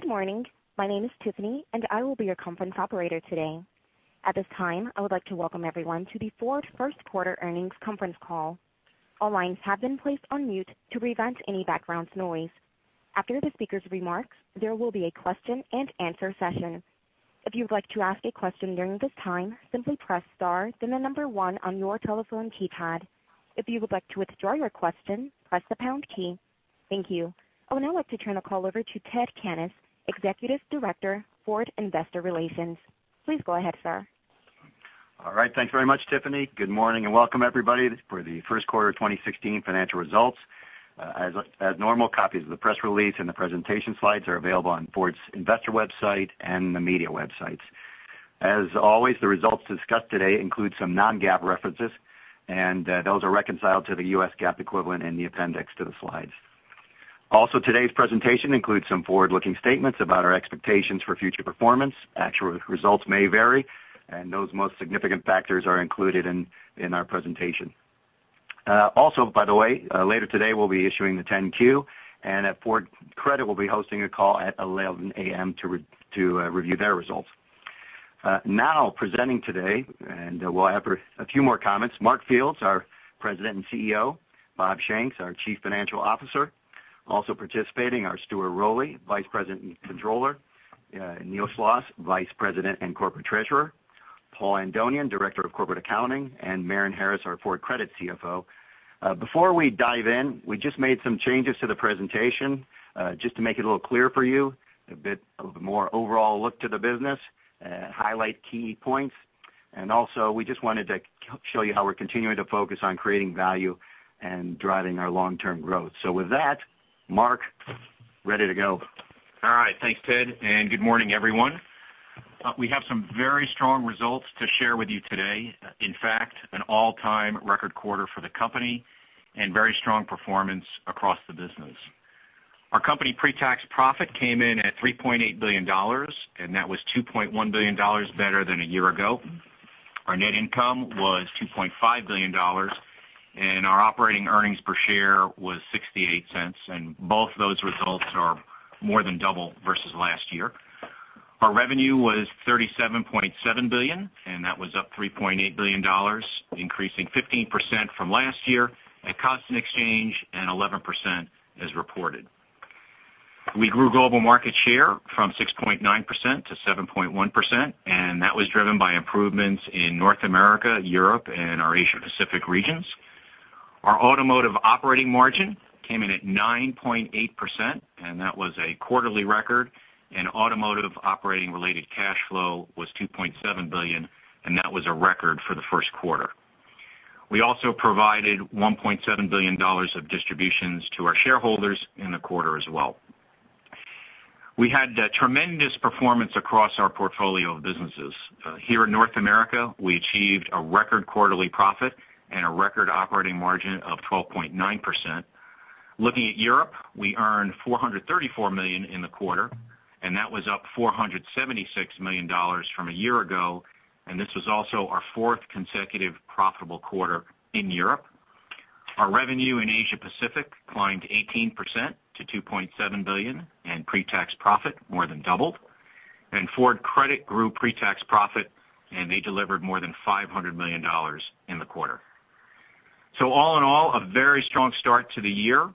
Good morning. My name is Tiffany, and I will be your conference operator today. At this time, I would like to welcome everyone to the Ford First Quarter Earnings Conference Call. All lines have been placed on mute to prevent any background noise. After the speaker's remarks, there will be a question-and-answer session. If you'd like to ask a question during this time, simply press star then the number one on your telephone keypad. If you would like to withdraw your question, press the pound key. Thank you. I would now like to turn the call over to Ted Cannis, Executive Director, Ford Investor Relations. Please go ahead, sir. Thanks very much, Tiffany. Good morning and welcome everybody for the first quarter of 2016 financial results. As normal, copies of the press release and the presentation slides are available on Ford's investor website and the media websites. As always, the results discussed today include some non-GAAP references, and those are reconciled to the U.S. GAAP equivalent in the appendix to the slides. Today's presentation includes some forward-looking statements about our expectations for future performance. Actual results may vary, and those most significant factors are included in our presentation. By the way, later today, we'll be issuing the 10-Q, and Ford Credit will be hosting a call at 11:00 A.M. to review their results. Now, presenting today, and will after a few more comments, Mark Fields, our President and CEO, Bob Shanks, our Chief Financial Officer. Participating are Stuart Rowley, Vice President and Controller, Neil Schloss, Vice President and Corporate Treasurer, Paul Andonian, Director of Corporate Accounting, and Marion Harris, our Ford Credit CFO. Before we dive in, we just made some changes to the presentation, just to make it a little clearer for you, a bit of a more overall look to the business, highlight key points. Also, we just wanted to show you how we're continuing to focus on creating value and driving our long-term growth. With that, Mark, ready to go. All right. Thanks, Ted, and good morning, everyone. We have some very strong results to share with you today. In fact, an all-time record quarter for the company and very strong performance across the business. Our company pretax profit came in at $3.8 billion, and that was $2.1 billion better than a year ago. Our net income was $2.5 billion, and our operating earnings per share was $0.68, and both those results are more than double versus last year. Our revenue was $37.7 billion, and that was up $3.8 billion, increasing 15% from last year at constant exchange and 11% as reported. We grew global market share from 6.9% to 7.1%, and that was driven by improvements in North America, Europe, and our Asia Pacific regions. Our automotive operating margin came in at 9.8%. That was a quarterly record. Automotive operating related cash flow was $2.7 billion. That was a record for the first quarter. We also provided $1.7 billion of distributions to our shareholders in the quarter as well. We had tremendous performance across our portfolio of businesses. Here in North America, we achieved a record quarterly profit and a record operating margin of 12.9%. Looking at Europe, we earned $434 million in the quarter. That was up $476 million from a year ago. This was also our fourth consecutive profitable quarter in Europe. Our revenue in Asia Pacific climbed 18% to $2.7 billion, and pretax profit more than doubled. Ford Credit grew pretax profit. They delivered more than $500 million in the quarter. All in all, a very strong start to the year.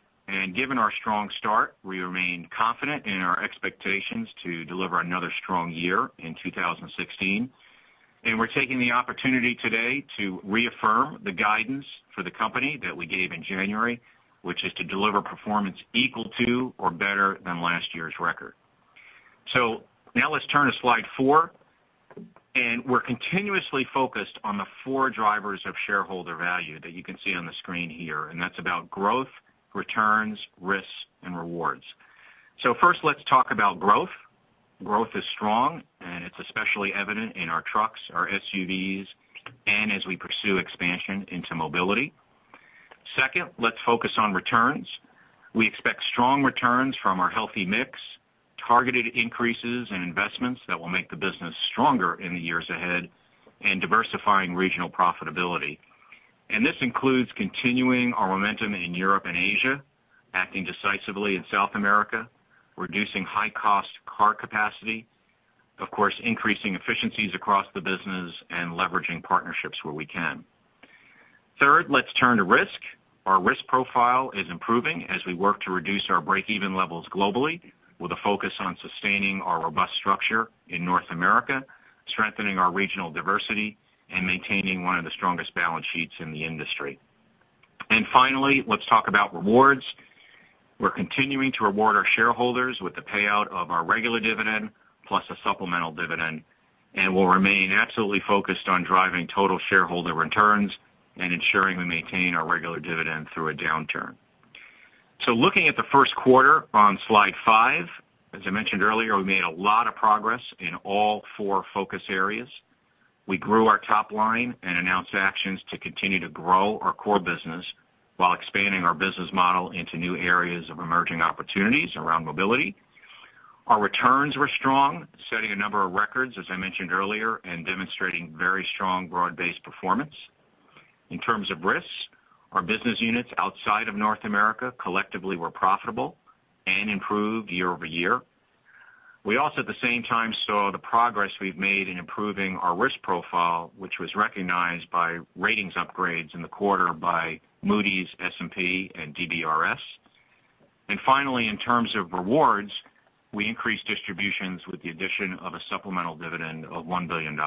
Given our strong start, we remain confident in our expectations to deliver another strong year in 2016. We're taking the opportunity today to reaffirm the guidance for the company that we gave in January, which is to deliver performance equal to or better than last year's record. Now let's turn to slide four. We're continuously focused on the four drivers of shareholder value that you can see on the screen here. That's about growth, returns, risks, and rewards. First, let's talk about growth. Growth is strong. It's especially evident in our trucks, our SUVs, and as we pursue expansion into mobility. Second, let's focus on returns. We expect strong returns from our healthy mix, targeted increases in investments that will make the business stronger in the years ahead, and diversifying regional profitability. This includes continuing our momentum in Europe and Asia, acting decisively in South America, reducing high-cost car capacity, of course, increasing efficiencies across the business, and leveraging partnerships where we can. Third, let's turn to risk. Our risk profile is improving as we work to reduce our break-even levels globally with a focus on sustaining our robust structure in North America, strengthening our regional diversity, and maintaining one of the strongest balance sheets in the industry. Finally, let's talk about rewards. We're continuing to reward our shareholders with the payout of our regular dividend plus a supplemental dividend, and we'll remain absolutely focused on driving total shareholder returns and ensuring we maintain our regular dividend through a downturn. Looking at the first quarter on slide five, as I mentioned earlier, we made a lot of progress in all four focus areas. We grew our top line and announced actions to continue to grow our core business while expanding our business model into new areas of emerging opportunities around mobility. Our returns were strong, setting a number of records, as I mentioned earlier, and demonstrating very strong broad-based performance. In terms of risks, our business units outside of North America collectively were profitable and improved year-over-year. We also, at the same time, saw the progress we've made in improving our risk profile, which was recognized by ratings upgrades in the quarter by Moody's, S&P, and DBRS. Finally, in terms of rewards, we increased distributions with the addition of a supplemental dividend of $1 billion.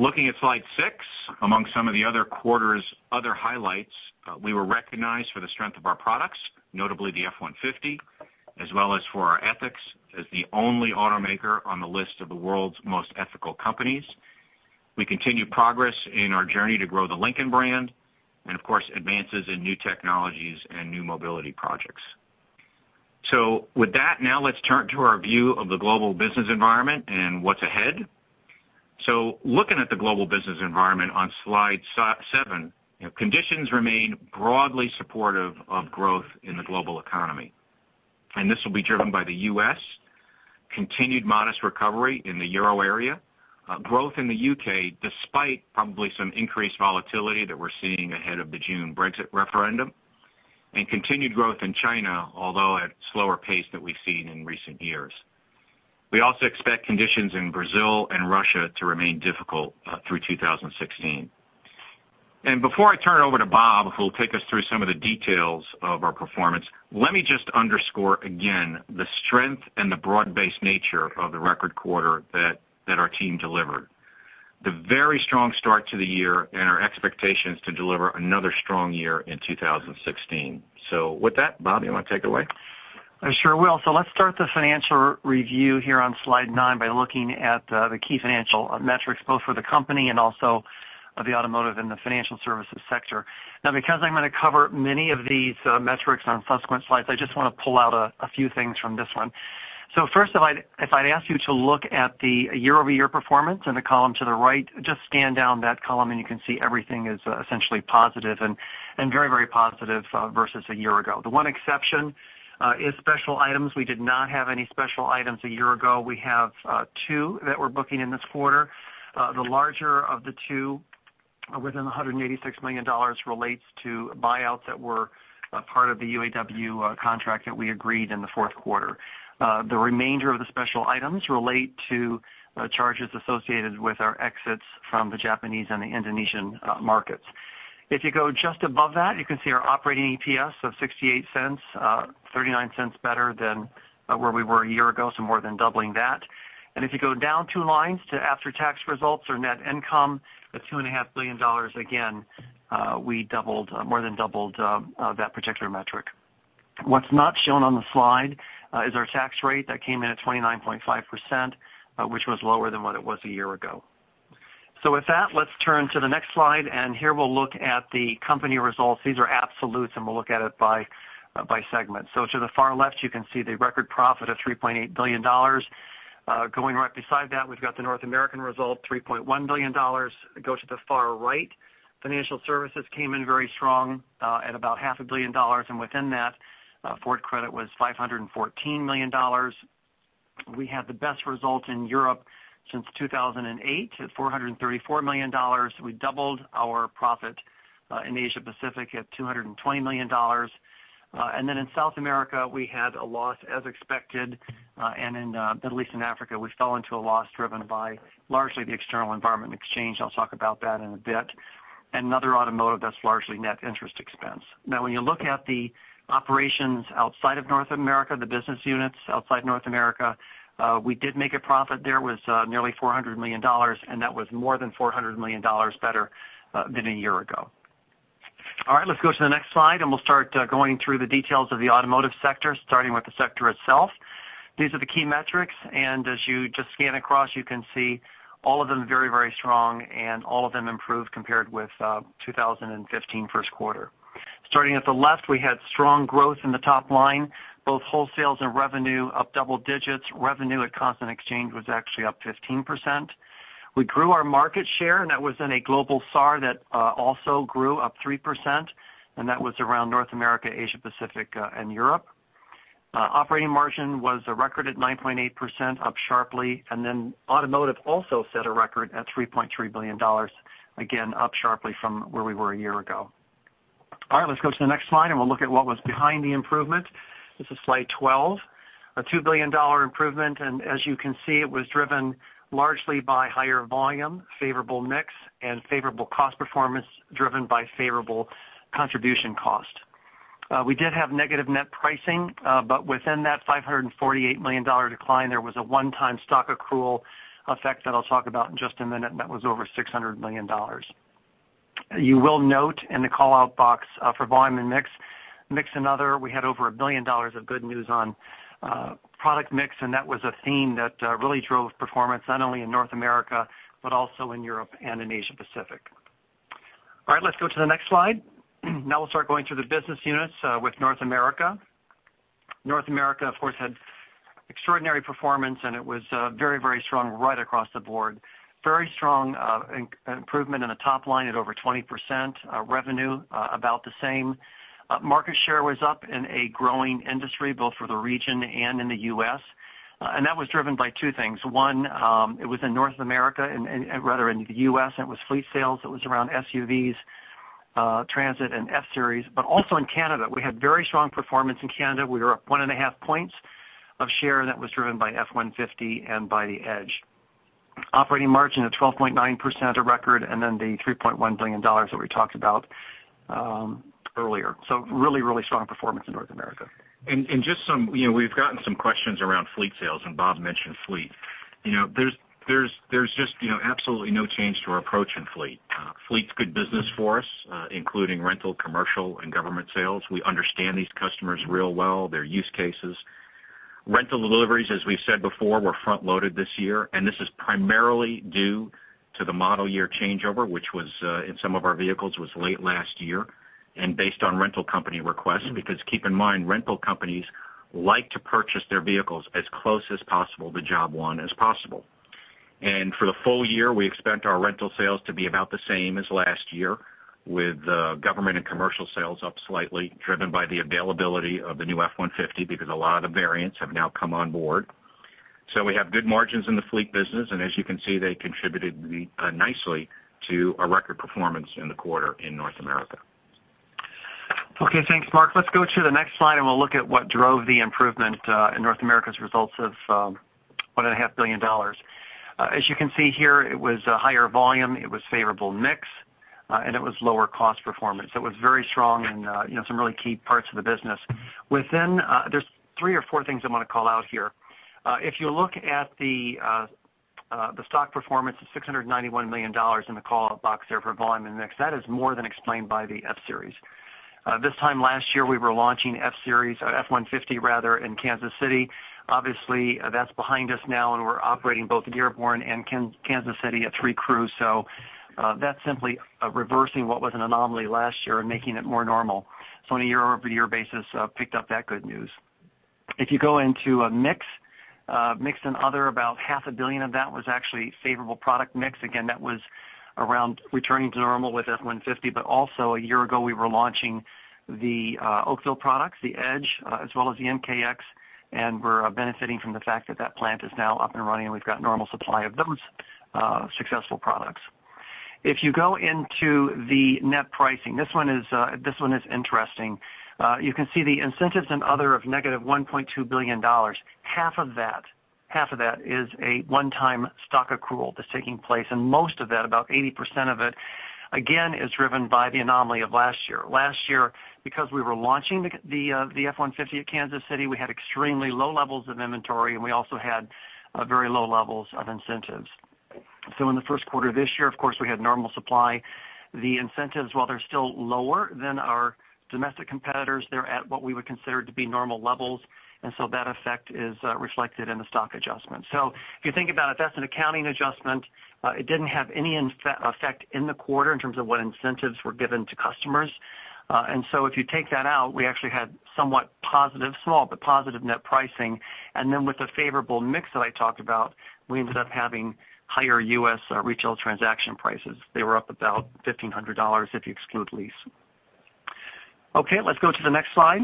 Looking at slide six, among some of the other quarter's other highlights, we were recognized for the strength of our products, notably the F-150, as well as for our ethics as the only automaker on the list of the world's most ethical companies. We continue progress in our journey to grow the Lincoln brand and, of course, advances in new technologies and new mobility projects. With that, now let's turn to our view of the global business environment and what's ahead. Looking at the global business environment on slide seven, conditions remain broadly supportive of growth in the global economy. This will be driven by the U.S., continued modest recovery in the Euro area, growth in the U.K., despite probably some increased volatility that we're seeing ahead of the June Brexit referendum, and continued growth in China, although at a slower pace than we've seen in recent years. We also expect conditions in Brazil and Russia to remain difficult through 2016. Before I turn it over to Bob, who will take us through some of the details of our performance, let me just underscore again the strength and the broad-based nature of the record quarter that our team delivered. The very strong start to the year and our expectations to deliver another strong year in 2016. With that, Bob, you want to take it away? I sure will. Let's start the financial review here on slide nine by looking at the key financial metrics, both for the company and also of the automotive and the financial services sector. Because I'm going to cover many of these metrics on subsequent slides, I just want to pull out a few things from this one. First, if I'd ask you to look at the year-over-year performance in the column to the right, just scan down that column and you can see everything is essentially positive and very positive versus a year ago. The one exception is special items. We did not have any special items a year ago. We have two that we're booking in this quarter. The larger of the two, within the $186 million, relates to buyouts that were a part of the UAW contract that we agreed in the fourth quarter. The remainder of the special items relate to charges associated with our exits from the Japanese and the Indonesian markets. If you go just above that, you can see our operating EPS of $0.68, $0.39 better than where we were a year ago, so more than doubling that. If you go down two lines to after-tax results or net income of $2.5 billion, again we more than doubled that particular metric. What's not shown on the slide is our tax rate. That came in at 29.5%, which was lower than what it was a year ago. With that, let's turn to the next slide, and here we'll look at the company results. These are absolutes, and we'll look at it by segment. To the far left, you can see the record profit of $3.8 billion. Going right beside that, we've got the North American result, $3.1 billion. Go to the far right. Financial services came in very strong at about half a billion dollars, and within that, Ford Credit was $514 million. We had the best result in Europe since 2008 at $434 million. We doubled our profit in Asia Pacific at $220 million. In South America, we had a loss as expected. In Middle East and Africa, we fell into a loss driven by largely the external environment and exchange. I'll talk about that in a bit. Other automotive, that's largely net interest expense. When you look at the operations outside of North America, the business units outside North America, we did make a profit there. It was nearly $400 million, that was more than $400 million better than a year ago. All right. Let's go to the next slide, we'll start going through the details of the automotive sector, starting with the sector itself. These are the key metrics, as you just scan across, you can see all of them very strong and all of them improved compared with 2015 first quarter. Starting at the left, we had strong growth in the top line, both wholesales and revenue up double digits. Revenue at constant exchange was actually up 15%. We grew our market share, that was in a global SAR that also grew up 3%, that was around North America, Asia Pacific, and Europe. Operating margin was a record at 9.8%, up sharply, automotive also set a record at $3.3 billion, again, up sharply from where we were a year ago. All right. Let's go to the next slide, we'll look at what was behind the improvement. This is slide 12. A $2 billion improvement, as you can see, it was driven largely by higher volume, favorable mix, and favorable cost performance driven by favorable contribution cost. We did have negative net pricing, within that $548 million decline, there was a one-time stock accrual effect that I'll talk about in just a minute, that was over $600 million. You will note in the call-out box for volume and mix and other, we had over a billion dollars of good news on product mix, that was a theme that really drove performance not only in North America, but also in Europe and in Asia Pacific. All right. Let's go to the next slide. We'll start going through the business units with North America. North America, of course, had extraordinary performance, it was very strong right across the board. Very strong improvement in the top line at over 20%, revenue about the same. Market share was up in a growing industry, both for the region and in the U.S., that was driven by two things. One, it was in North America, rather in the U.S., it was fleet sales. It was around SUVs. Transit and F-Series, also in Canada. We had very strong performance in Canada. We were up one and a half points of share, that was driven by F-150 and by the Edge. Operating margin of 12.9%, a record, the $3.1 billion that we talked about earlier. Really, really strong performance in North America. We've gotten some questions around fleet sales, and Bob mentioned fleet. There is just absolutely no change to our approach in fleet. Fleet's good business for us, including rental, commercial, and government sales. We understand these customers real well, their use cases. Rental deliveries, as we said before, were front-loaded this year, and this is primarily due to the model year changeover, which was, in some of our vehicles, was late last year and based on rental company requests. Because keep in mind, rental companies like to purchase their vehicles as close as possible to job one as possible. For the full year, we expect our rental sales to be about the same as last year, with government and commercial sales up slightly, driven by the availability of the new F-150, because a lot of the variants have now come on board. We have good margins in the fleet business. As you can see, they contributed nicely to a record performance in the quarter in North America. Okay, thanks, Mark. Let's go to the next slide, and we'll look at what drove the improvement in North America's results of $1.5 billion. You can see here, it was a higher volume, it was favorable mix, and it was lower cost performance. It was very strong in some really key parts of the business. There are three or four things I want to call out here. If you look at the stock performance of $691 million in the call box there for volume and mix, that is more than explained by the F-Series. This time last year, we were launching F-Series, or F-150 rather, in Kansas City. Obviously, that is behind us now, and we are operating both Dearborn and Kansas City at three crews. That is simply reversing what was an anomaly last year and making it more normal. On a year-over-year basis, picked up that good news. If you go into mix and other, about half a billion of that was actually favorable product mix. Again, that was around returning to normal with F-150. Also a year ago, we were launching the Oakville products, the Edge, as well as the MKX, and we are benefiting from the fact that that plant is now up and running and we've got normal supply of those successful products. If you go into the net pricing, this one is interesting. You can see the incentives and other of negative $1.2 billion. Half of that is a one-time stock accrual that is taking place, and most of that, about 80% of it, again, is driven by the anomaly of last year. Last year, because we were launching the F-150 at Kansas City, we had extremely low levels of inventory, and we also had very low levels of incentives. In the first quarter of this year, of course, we had normal supply. The incentives, while they're still lower than our domestic competitors, they're at what we would consider to be normal levels, that effect is reflected in the stock adjustment. If you think about it, that's an accounting adjustment. It didn't have any effect in the quarter in terms of what incentives were given to customers. If you take that out, we actually had somewhat positive, small, but positive net pricing. With the favorable mix that I talked about, we ended up having higher U.S. retail transaction prices. They were up about $1,500 if you exclude lease. Let's go to the next slide.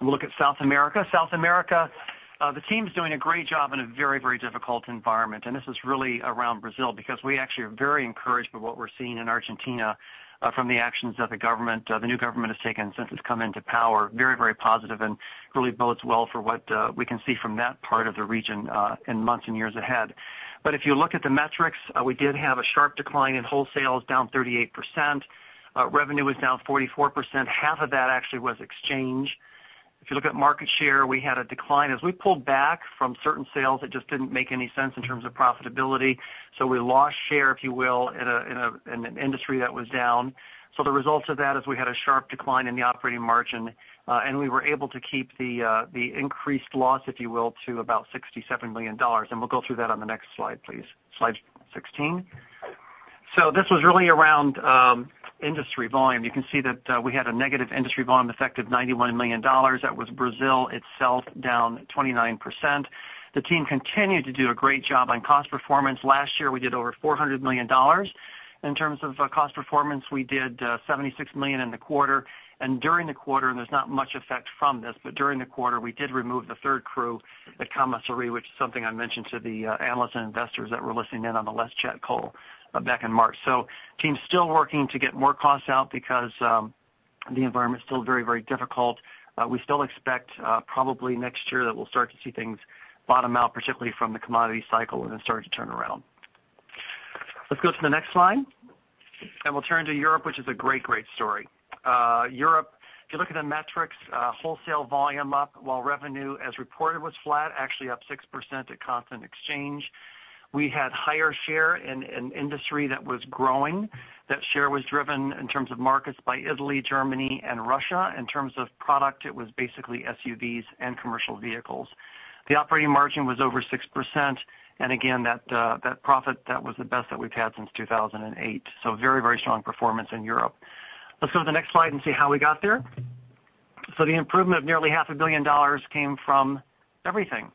We'll look at South America. South America, the team's doing a great job in a very, very difficult environment. This is really around Brazil, because we actually are very encouraged by what we're seeing in Argentina from the actions that the new government has taken since it's come into power. Very, very positive and really bodes well for what we can see from that part of the region in months and years ahead. If you look at the metrics, we did have a sharp decline in wholesale, down 38%. Revenue was down 44%. Half of that actually was exchange. If you look at market share, we had a decline. As we pulled back from certain sales, it just didn't make any sense in terms of profitability. We lost share, if you will, in an industry that was down. The result of that is we had a sharp decline in the operating margin, and we were able to keep the increased loss, if you will, to about $67 million. We'll go through that on the next slide, please. Slide 16. This was really around industry volume. You can see that we had a negative industry volume effect of $91 million. That was Brazil itself, down 29%. The team continued to do a great job on cost performance. Last year, we did over $400 million. In terms of cost performance, we did $76 million in the quarter. During the quarter, and there's not much effect from this, but during the quarter, we did remove the third crew at Camaçari, which is something I mentioned to the analysts and investors that were listening in on the Last Chat call back in March. Team's still working to get more costs out because the environment is still very, very difficult. We still expect probably next year that we'll start to see things bottom out, particularly from the commodity cycle, then start to turn around. Let's go to the next slide. We'll turn to Europe, which is a great story. Europe, if you look at the metrics, wholesale volume up while revenue as reported was flat, actually up 6% at constant exchange. We had higher share in an industry that was growing. That share was driven in terms of markets by Italy, Germany, and Russia. In terms of product, it was basically SUVs and commercial vehicles. The operating margin was over 6%. Again, that profit, that was the best that we've had since 2008. Very, very strong performance in Europe. Let's go to the next slide and see how we got there. The improvement of nearly half a billion dollars came from everything.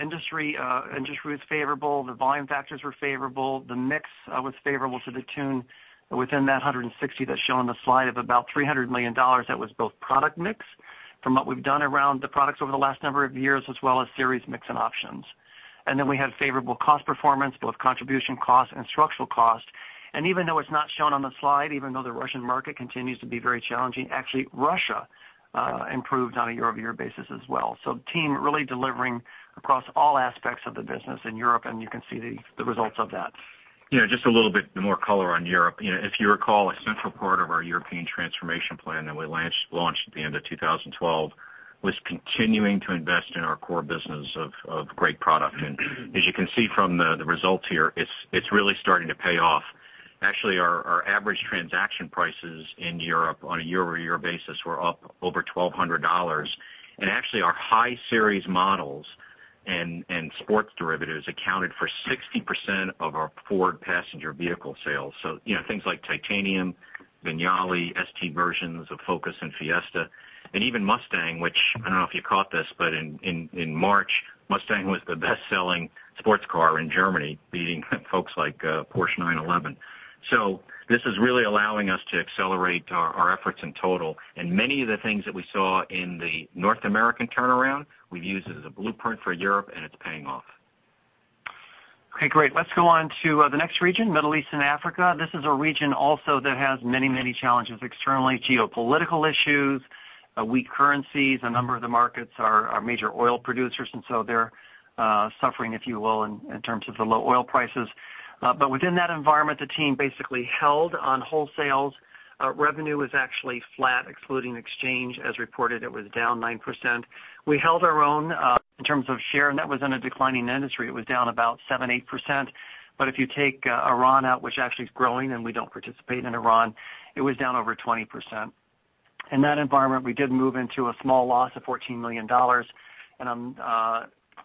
Industry was favorable, the volume factors were favorable, the mix was favorable to the tune within that 160 that's shown on the slide of about $300 million. That was both product mix from what we've done around the products over the last number of years, as well as series mix and options. Then we had favorable cost performance, both contribution cost and structural cost. Even though it's not shown on the slide, even though the Russian market continues to be very challenging, actually Russia improved on a year-over-year basis as well. The team really delivering across all aspects of the business in Europe, and you can see the results of that. Just a little bit more color on Europe. If you recall, a central part of our European transformation plan that we launched at the end of 2012 was continuing to invest in our core business of great product. As you can see from the results here, it's really starting to pay off. Actually, our average transaction prices in Europe on a year-over-year basis were up over $1,200. Actually, our high series models and sports derivatives accounted for 60% of our Ford passenger vehicle sales. Things like Titanium, Vignale, ST versions of Focus and Fiesta, and even Mustang, which I don't know if you caught this, but in March, Mustang was the best-selling sports car in Germany, beating folks like Porsche 911. This is really allowing us to accelerate our efforts in total. Many of the things that we saw in the North American turnaround, we've used it as a blueprint for Europe, and it's paying off. Okay, great. Let's go on to the next region, Middle East and Africa. This is a region also that has many challenges externally. Geopolitical issues, weak currencies. A number of the markets are major oil producers, so they're suffering, if you will, in terms of the low oil prices. Within that environment, the team basically held on wholesales. Revenue was actually flat, excluding exchange. As reported, it was down 9%. We held our own in terms of share, and that was in a declining industry. It was down about 7%, 8%. If you take Iran out, which actually is growing and we don't participate in Iran, it was down over 20%. In that environment, we did move into a small loss of $14 million,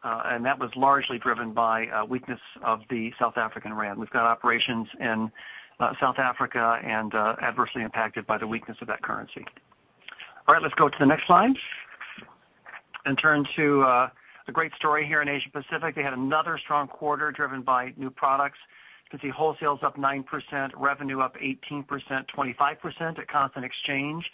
and that was largely driven by weakness of the South African rand. We've got operations in South Africa and adversely impacted by the weakness of that currency. All right, let's go to the next slide and turn to the great story here in Asia Pacific. They had another strong quarter driven by new products. You can see wholesales up 9%, revenue up 18%, 25% at constant exchange.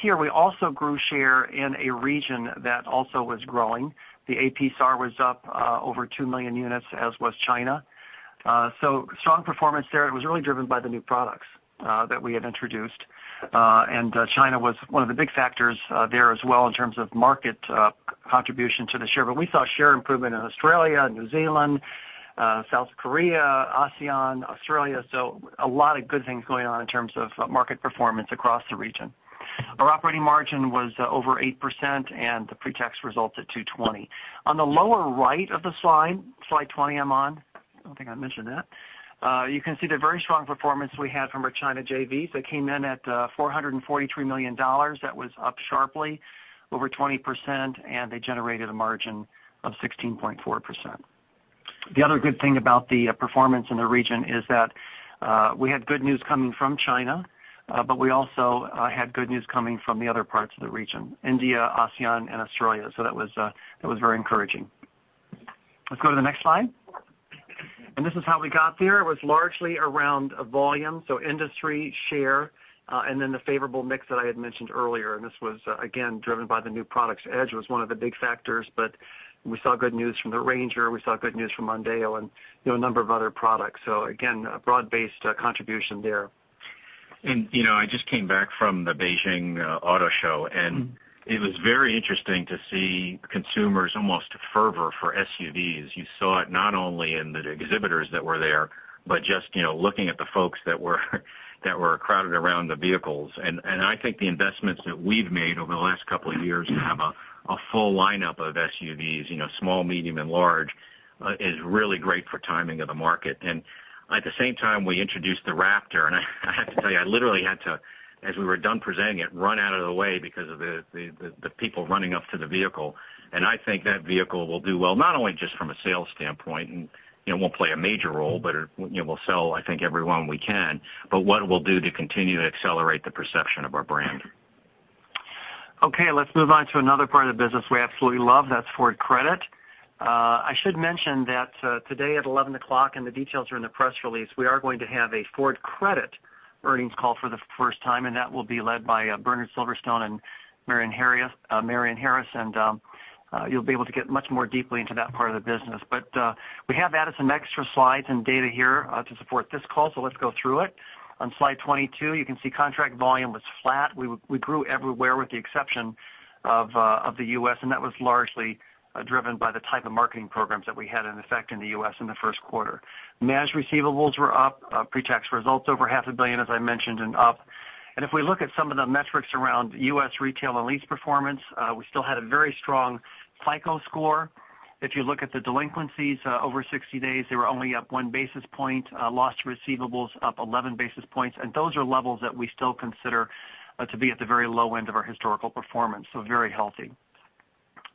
Here we also grew share in a region that also was growing. The AP SAR was up over 2 million units, as was China. Strong performance there. It was really driven by the new products that we have introduced. China was one of the big factors there as well in terms of market contribution to the share. We saw share improvement in Australia, New Zealand, South Korea, ASEAN, Australia. A lot of good things going on in terms of market performance across the region. Our operating margin was over 8% and the pre-tax results at $220. On the lower right of the slide 20 I'm on, I don't think I mentioned that. You can see the very strong performance we had from our China JVs. They came in at $443 million. That was up sharply, over 20%, and they generated a margin of 16.4%. The other good thing about the performance in the region is that we had good news coming from China, but we also had good news coming from the other parts of the region, India, ASEAN and Australia. That was very encouraging. Let's go to the next slide. This is how we got there. It was largely around volume, so industry share, and then the favorable mix that I had mentioned earlier, and this was again, driven by the new products. Edge was one of the big factors, but we saw good news from the Ranger. We saw good news from Mondeo and a number of other products. Again, a broad-based contribution there. I just came back from the Beijing Auto Show, and it was very interesting to see consumers almost fervor for SUVs. You saw it not only in the exhibitors that were there, but just looking at the folks that were crowded around the vehicles. I think the investments that we've made over the last couple of years to have a full lineup of SUVs, small, medium and large, is really great for timing of the market. At the same time, we introduced the Raptor, and I have to tell you, I literally had to, as we were done presenting it, run out of the way because of the people running up to the vehicle. I think that vehicle will do well, not only just from a sales standpoint and won't play a major role, but it will sell, I think, every one we can. What it will do to continue to accelerate the perception of our brand. Okay, let's move on to another part of the business we absolutely love. That's Ford Credit. I should mention that today at 11 o'clock, and the details are in the press release, we are going to have a Ford Credit earnings call for the first time, and that will be led by Bernard Silverstone and Marion Harris. You'll be able to get much more deeply into that part of the business. We have added some extra slides and data here to support this call. Let's go through it. On slide 22, you can see contract volume was flat. We grew everywhere with the exception of the U.S., and that was largely driven by the type of marketing programs that we had in effect in the U.S. in the first quarter. Managed receivables were up, pre-tax results over half a billion, as I mentioned, and up. If we look at some of the metrics around U.S. retail and lease performance, we still had a very strong FICO score. If you look at the delinquencies over 60 days, they were only up one basis point. Lost receivables up 11 basis points. Those are levels that we still consider to be at the very low end of our historical performance. Very healthy.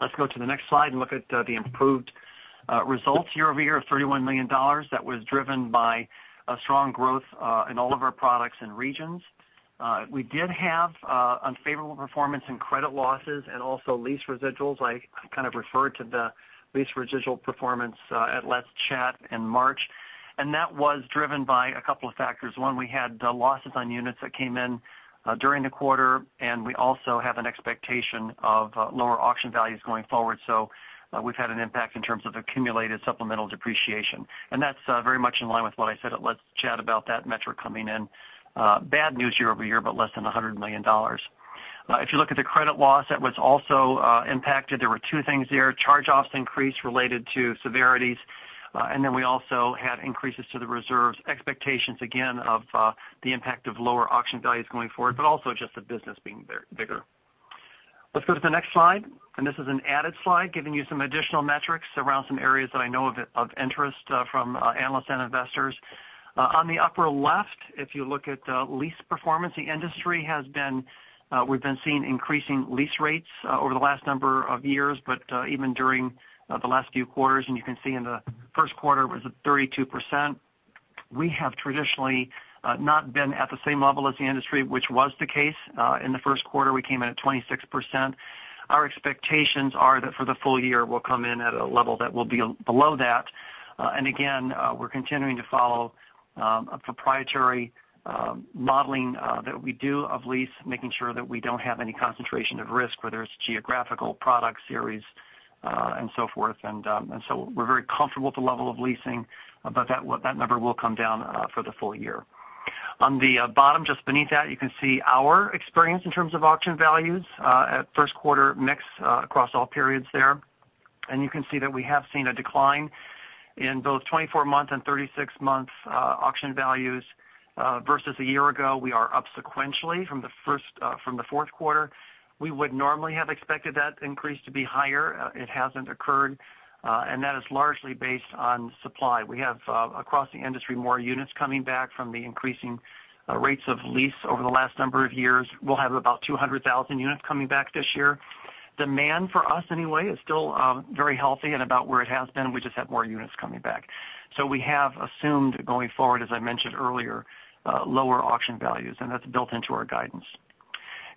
Let's go to the next slide and look at the improved results year-over-year of $31 million. That was driven by a strong growth in all of our products and regions. We did have unfavorable performance in credit losses and also lease residuals. I kind of referred to the lease residual performance at Last Chat in March. That was driven by a couple of factors. One, we had losses on units that came in during the quarter, we also have an expectation of lower auction values going forward. We've had an impact in terms of accumulated supplemental depreciation. That's very much in line with what I said, "Last chat about that metric coming in." Bad news year-over-year, less than $100 million. If you look at the credit loss, that was also impacted. There were two things there. Charge-offs increased related to severities, then we also had increases to the reserves, expectations again of the impact of lower auction values going forward, also just the business being bigger. Let's go to the next slide, this is an added slide giving you some additional metrics around some areas that I know of interest from analysts and investors. On the upper left, if you look at lease performance, we've been seeing increasing lease rates over the last number of years, but even during the last few quarters, and you can see in the first quarter was at 32%. We have traditionally not been at the same level as the industry, which was the case. In the first quarter, we came in at 26%. Our expectations are that for the full year, we'll come in at a level that will be below that. Again, we're continuing to follow a proprietary modeling that we do of lease, making sure that we don't have any concentration of risk, whether it's geographical, product series, and so forth. We're very comfortable with the level of leasing, but that number will come down for the full year. On the bottom, just beneath that, you can see our experience in terms of auction values at first quarter mix across all periods there. You can see that we have seen a decline in both 24-month and 36-month auction values versus a year ago. We are up sequentially from the fourth quarter. We would normally have expected that increase to be higher. It hasn't occurred. That is largely based on supply. We have, across the industry, more units coming back from the increasing rates of lease over the last number of years. We'll have about 200,000 units coming back this year. Demand for us anyway is still very healthy and about where it has been. We just have more units coming back. We have assumed going forward, as I mentioned earlier, lower auction values, and that's built into our guidance.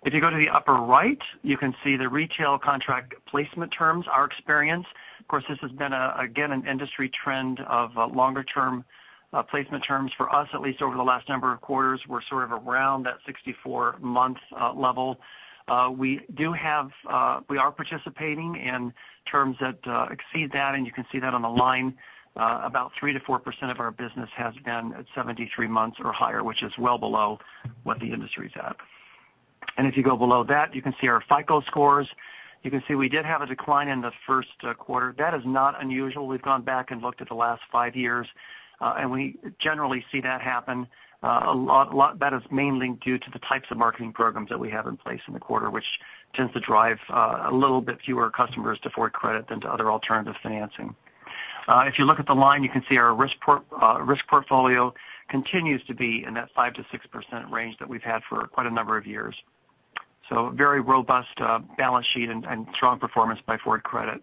If you go to the upper right, you can see the retail contract placement terms, our experience. Of course, this has been, again, an industry trend of longer-term placement terms for us, at least over the last number of quarters. We're sort of around that 64 months level. We are participating in terms that exceed that, and you can see that on the line. About 3%-4% of our business has been at 73 months or higher, which is well below what the industry's at. If you go below that, you can see our FICO scores. You can see we did have a decline in the first quarter. That is not unusual. We've gone back and looked at the last five years, and we generally see that happen a lot. That is mainly due to the types of marketing programs that we have in place in the quarter, which tends to drive a little bit fewer customers to Ford Credit than to other alternative financing. If you look at the line, you can see our risk portfolio continues to be in that 5%-6% range that we've had for quite a number of years. Very robust balance sheet and strong performance by Ford Credit.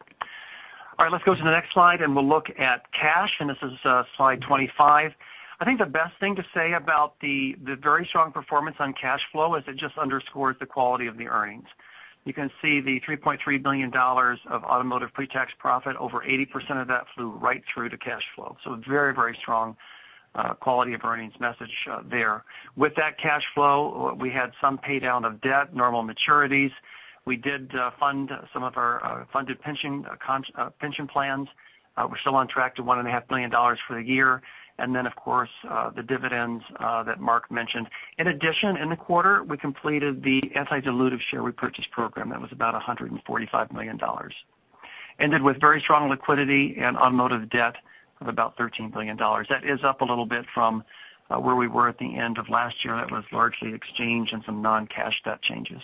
All right, let's go to the next slide and we'll look at cash, and this is slide 25. I think the best thing to say about the very strong performance on cash flow is it just underscores the quality of the earnings. You can see the $3.3 billion of automotive pretax profit. Over 80% of that flew right through to cash flow. Very strong quality of earnings message there. With that cash flow, we had some pay-down of debt, normal maturities. We did fund some of our funded pension plans. We're still on track to $1.5 billion for the year. Then, of course, the dividends that Mark mentioned. In addition, in the quarter, we completed the anti-dilutive share repurchase program. That was about $145 million. Ended with very strong liquidity and automotive debt of about $13 billion. That is up a little bit from where we were at the end of last year. That was largely exchange and some non-cash debt changes.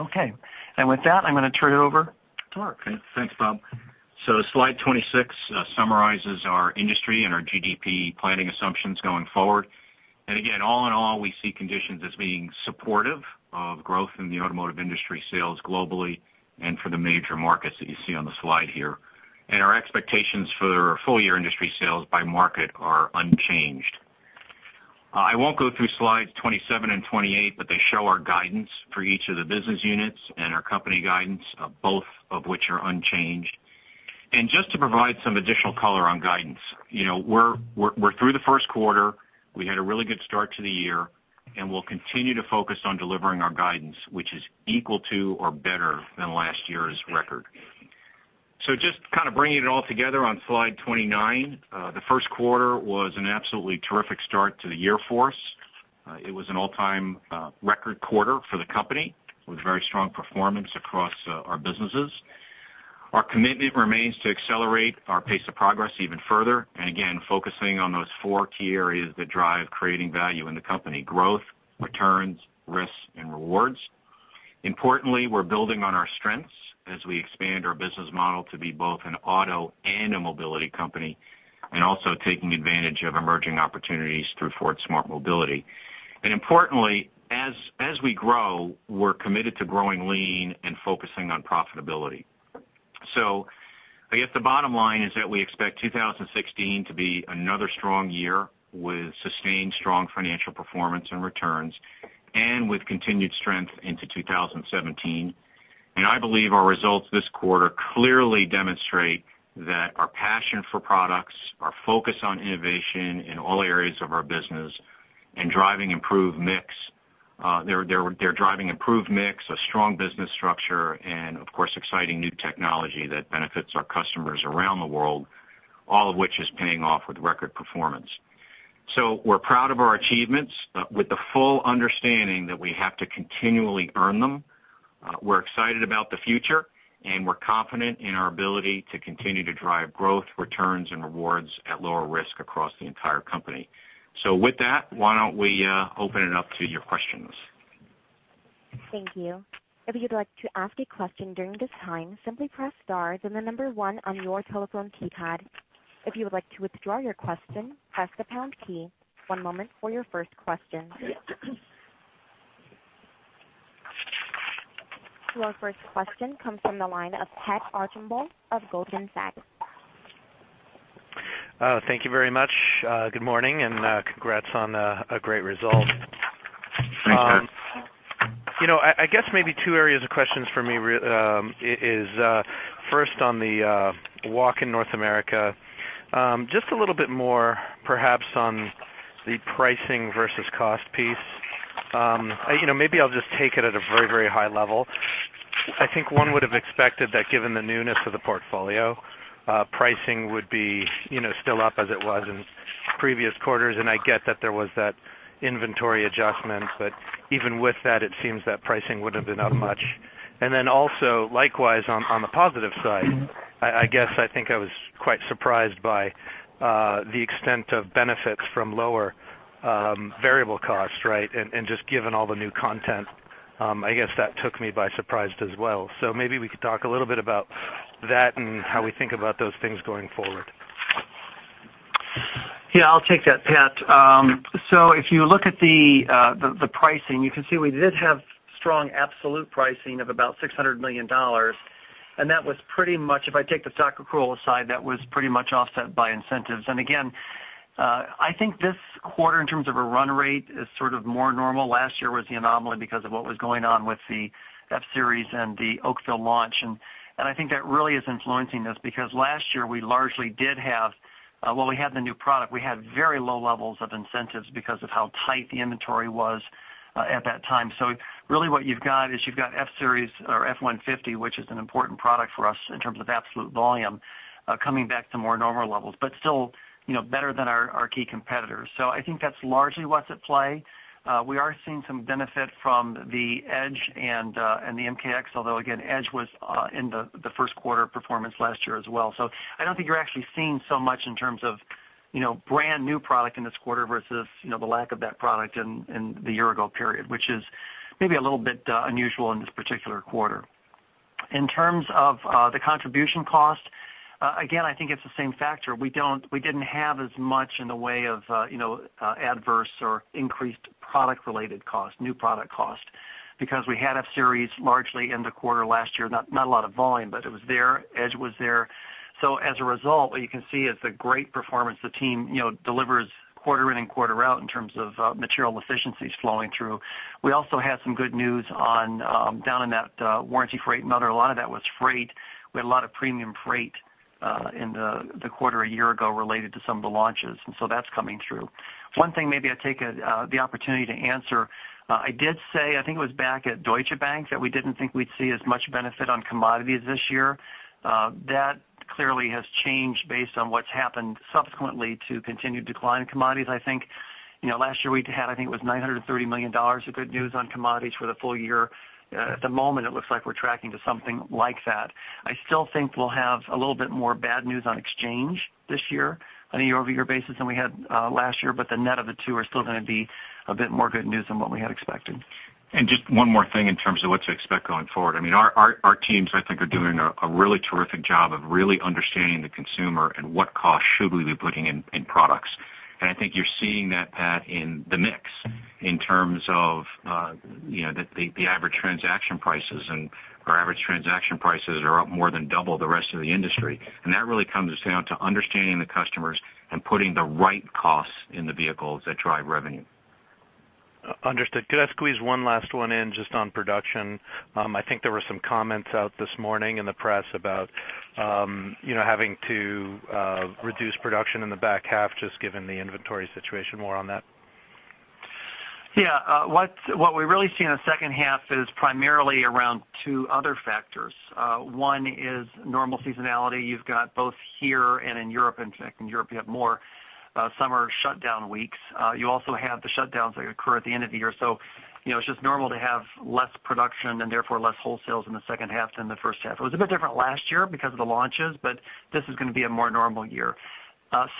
Okay. With that, I'm going to turn it over to Mark. Okay, thanks, Bob. Slide 26 summarizes our industry and our GDP planning assumptions going forward. Again, all in all, we see conditions as being supportive of growth in the automotive industry sales globally and for the major markets that you see on the slide here. Our expectations for full-year industry sales by market are unchanged. I won't go through slides 27 and 28, but they show our guidance for each of the business units and our company guidance, both of which are unchanged. Just to provide some additional color on guidance. We're through the first quarter. We had a really good start to the year, and we'll continue to focus on delivering our guidance, which is equal to or better than last year's record. Just kind of bringing it all together on slide 29. The first quarter was an absolutely terrific start to the year for us. It was an all-time record quarter for the company with very strong performance across our businesses. Our commitment remains to accelerate our pace of progress even further, again, focusing on those four key areas that drive creating value in the company: growth, returns, risks, and rewards. Importantly, we're building on our strengths as we expand our business model to be both an auto and a mobility company, also taking advantage of emerging opportunities through Ford Smart Mobility. Importantly, as we grow, we're committed to growing lean and focusing on profitability. I guess the bottom line is that we expect 2016 to be another strong year with sustained strong financial performance and returns and with continued strength into 2017. I believe our results this quarter clearly demonstrate that our passion for products, our focus on innovation in all areas of our business, and driving improved mix, a strong business structure, and of course, exciting new technology that benefits our customers around the world, all of which is paying off with record performance. We're proud of our achievements with the full understanding that we have to continually earn them. We're excited about the future, and we're confident in our ability to continue to drive growth, returns, and rewards at lower risk across the entire company. With that, why don't we open it up to your questions? Thank you. If you'd like to ask a question during this time, simply press star, then the number 1 on your telephone keypad. If you would like to withdraw your question, press the pound key. One moment for your first question. Our first question comes from the line of Pat Archambault of Goldman Sachs. Thank you very much. Good morning, congrats on a great result. Thanks, Pat. I guess maybe two areas of questions for me is first on the walk in North America. Just a little bit more perhaps on the pricing versus cost piece. Maybe I'll just take it at a very high level. I think one would have expected that given the newness of the portfolio, pricing would be still up as it was in previous quarters, I get that there was that inventory adjustment. Even with that, it seems that pricing would have been up much. Also, likewise, on the positive side, I guess I think I was quite surprised by the extent of benefits from lower variable costs. Just given all the new content, I guess that took me by surprise as well. Maybe we could talk a little bit about that and how we think about those things going forward. I'll take that, Pat. If you look at the pricing, you can see we did have strong absolute pricing of about $600 million. If I take the stock accrual aside, that was pretty much offset by incentives. Again, I think this quarter in terms of a run rate is sort of more normal. Last year was the anomaly because of what was going on with the F-Series and the Oakville launch. I think that really is influencing this because last year we largely did have the new product. We had very low levels of incentives because of how tight the inventory was at that time. Really what you've got is you've got F-Series or F-150, which is an important product for us in terms of absolute volume coming back to more normal levels, but still better than our key competitors. I think that's largely what's at play. We are seeing some benefit from the Edge and the MKX, although again, Edge was in the first quarter performance last year as well. I don't think you're actually seeing so much in terms of brand new product in this quarter versus the lack of that product in the year ago period, which is maybe a little bit unusual in this particular quarter. In terms of the contribution cost, again, I think it's the same factor. We didn't have as much in the way of adverse or increased product-related cost, new product cost, because we had F-Series largely in the quarter last year. Not a lot of volume, but it was there. Edge was there. As a result, what you can see is the great performance the team delivers quarter in and quarter out in terms of material efficiencies flowing through. We also had some good news down in that warranty freight and other. A lot of that was freight. We had a lot of premium freight in the quarter a year ago related to some of the launches, and that's coming through. One thing maybe I'd take the opportunity to answer. I did say, I think it was back at Deutsche Bank, that we didn't think we'd see as much benefit on commodities this year. That clearly has changed based on what's happened subsequently to continued decline in commodities. I think last year we had $930 million of good news on commodities for the full year. At the moment, it looks like we're tracking to something like that. I still think we'll have a little bit more bad news on exchange this year on a year-over-year basis than we had last year, but the net of the two are still going to be a bit more good news than what we had expected. Just one more thing in terms of what to expect going forward. Our teams, I think, are doing a really terrific job of really understanding the consumer and what cost should we be putting in products. I think you're seeing that, Pat, in the mix in terms of the average transaction prices and our average transaction prices are up more than double the rest of the industry. That really comes down to understanding the customers and putting the right costs in the vehicles that drive revenue. Understood. Could I squeeze one last one in just on production? I think there were some comments out this morning in the press about having to reduce production in the back half just given the inventory situation. More on that. Yeah. What we really see in the second half is primarily around two other factors. One is normal seasonality. You've got both here and in Europe. In fact, in Europe, you have more summer shutdown weeks. You also have the shutdowns that occur at the end of the year. It's just normal to have less production and therefore less wholesales in the second half than the first half. It was a bit different last year because of the launches, but this is going to be a more normal year.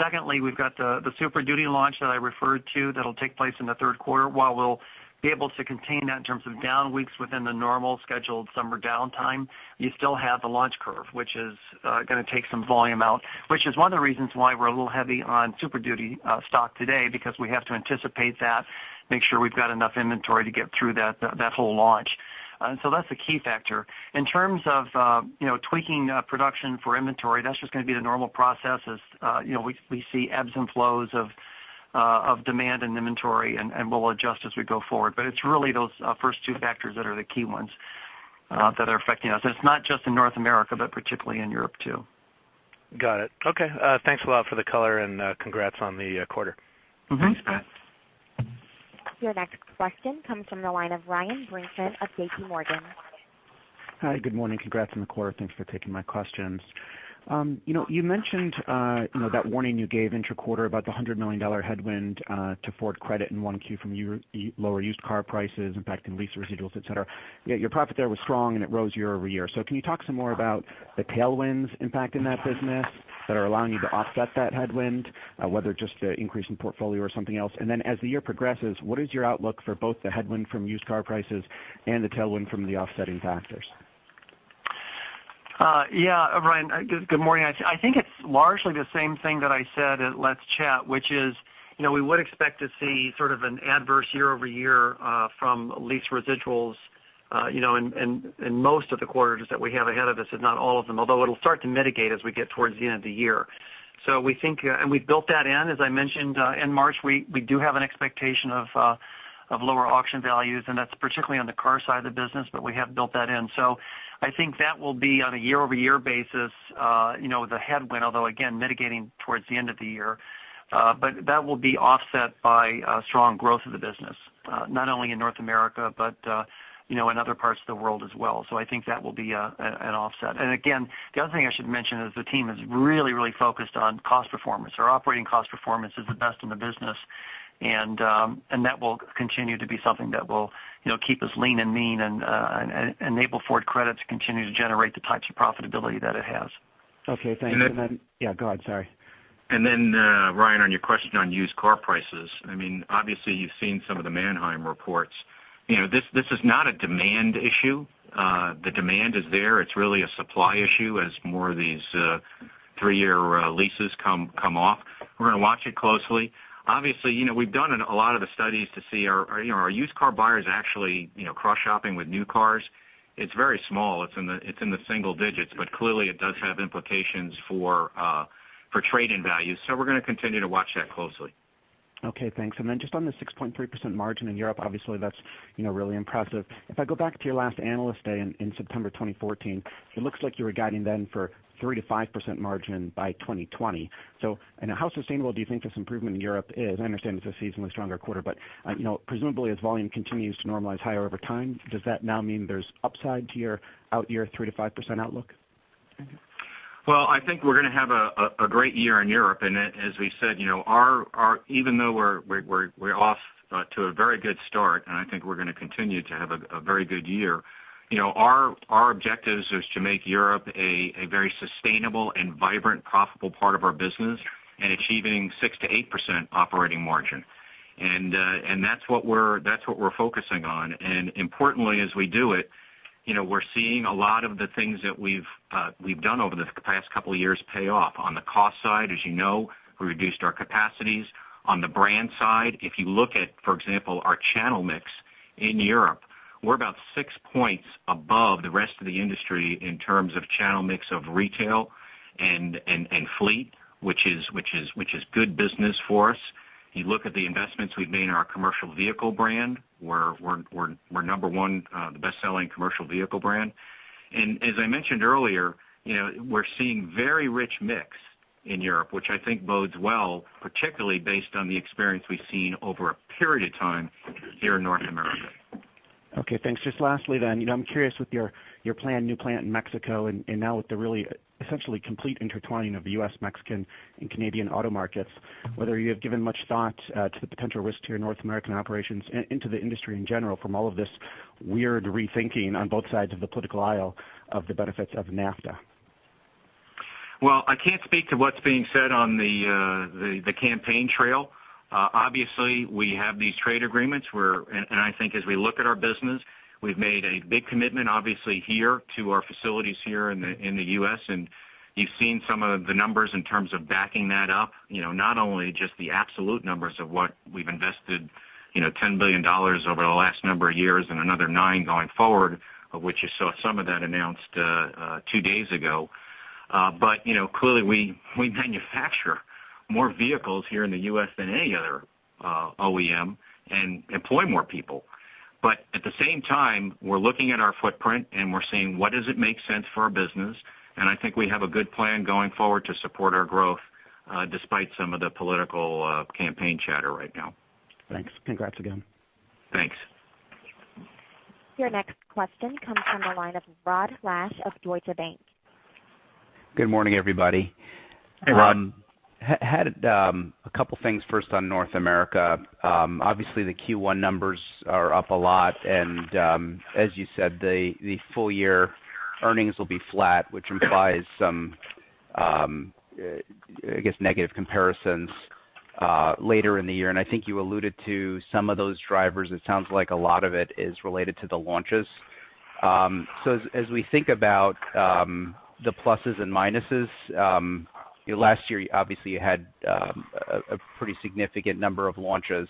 Secondly, we've got the Super Duty launch that I referred to that will take place in the third quarter. While we'll be able to contain that in terms of down weeks within the normal scheduled summer downtime, you still have the launch curve, which is going to take some volume out, which is one of the reasons why we're a little heavy on Super Duty stock today because we have to anticipate that, make sure we've got enough inventory to get through that whole launch. That's a key factor. In terms of tweaking production for inventory, that's just going to be the normal process as we see ebbs and flows of demand and inventory, and we'll adjust as we go forward. It's really those first two factors that are the key ones that are affecting us. It's not just in North America, but particularly in Europe, too. Got it. Okay. Thanks a lot for the color, and congrats on the quarter. Thanks, Pat. Your next question comes from the line of Ryan Brinkman of JPMorgan. Hi, good morning. Congrats on the quarter. Thanks for taking my questions. You mentioned that warning you gave intra-quarter about the $100 million headwind to Ford Credit in 1Q from lower used car prices impacting lease residuals, et cetera. Yet your profit there was strong, and it rose year-over-year. Can you talk some more about the tailwinds impacting that business that are allowing you to offset that headwind, whether just the increase in portfolio or something else? As the year progresses, what is your outlook for both the headwind from used car prices and the tailwind from the offsetting factors? Yeah. Ryan, good morning. I think it's largely the same thing that I said at "Let's Chat," which is, we would expect to see sort of an adverse year-over-year from lease residuals in most of the quarters that we have ahead of us, if not all of them, although it'll start to mitigate as we get towards the end of the year. We've built that in, as I mentioned, in March. We do have an expectation of lower auction values, that's particularly on the car side of the business, but we have built that in. I think that will be on a year-over-year basis the headwind, although again, mitigating towards the end of the year. That will be offset by strong growth of the business. Not only in North America, but in other parts of the world as well. I think that will be an offset. Again, the other thing I should mention is the team is really, really focused on cost performance. Our operating cost performance is the best in the business, and that will continue to be something that will keep us lean and mean and enable Ford Credit to continue to generate the types of profitability that it has. Okay, thank you. And then- Yeah, go ahead, sorry. Ryan, on your question on used car prices, obviously you've seen some of the Manheim reports. This is not a demand issue. The demand is there. It's really a supply issue as more of these three-year leases come off. We're going to watch it closely. Obviously, we've done a lot of the studies to see are our used car buyers actually cross-shopping with new cars? It's very small. It's in the single digits, but clearly it does have implications for trade-in values. We're going to continue to watch that closely. Okay, thanks. Just on the 6.3% margin in Europe, obviously that's really impressive. If I go back to your last Investor Day in September 2014, it looks like you were guiding then for 3%-5% margin by 2020. How sustainable do you think this improvement in Europe is? I understand it's a seasonally stronger quarter, but presumably as volume continues to normalize higher over time, does that now mean there's upside to your out-year 3%-5% outlook? Well, I think we're going to have a great year in Europe, as we said, even though we're off to a very good start, I think we're going to continue to have a very good year, our objective is to make Europe a very sustainable and vibrant, profitable part of our business and achieving 6%-8% operating margin. That's what we're focusing on. Importantly, as we do it, we're seeing a lot of the things that we've done over the past couple of years pay off. On the cost side, as you know, we reduced our capacities. On the brand side, if you look at, for example, our channel mix in Europe, we're about six points above the rest of the industry in terms of channel mix of retail and fleet, which is good business for us. You look at the investments we've made in our commercial vehicle brand. We're number one, the best-selling commercial vehicle brand. As I mentioned earlier, we're seeing very rich mix in Europe, which I think bodes well, particularly based on the experience we've seen over a period of time here in North America. Okay, thanks. Lastly, I'm curious with your planned new plant in Mexico and now with the really essentially complete intertwining of the U.S., Mexican, and Canadian auto markets, whether you have given much thought to the potential risk to your North American operations and to the industry in general from all of this weird rethinking on both sides of the political aisle of the benefits of NAFTA. Well, I can't speak to what's being said on the campaign trail. Obviously, we have these trade agreements, and I think as we look at our business, we've made a big commitment, obviously, here to our facilities here in the U.S., and you've seen some of the numbers in terms of backing that up. Not only just the absolute numbers of what we've invested, $10 billion over the last number of years and another nine going forward, of which you saw some of that announced two days ago. Clearly, we manufacture more vehicles here in the U.S. than any other OEM and employ more people. At the same time, we're looking at our footprint, and we're seeing what does it make sense for our business, and I think we have a good plan going forward to support our growth despite some of the political campaign chatter right now. Thanks. Congrats again. Thanks. Your next question comes from the line of Rod Lache of Deutsche Bank. Good morning, everybody. Hey, Rod. Had a couple things first on North America. Obviously, the Q1 numbers are up a lot, and as you said, the full-year earnings will be flat, which implies some, I guess, negative comparisons later in the year. I think you alluded to some of those drivers. It sounds like a lot of it is related to the launches. As we think about the pluses and minuses, last year, obviously you had a pretty significant number of launches.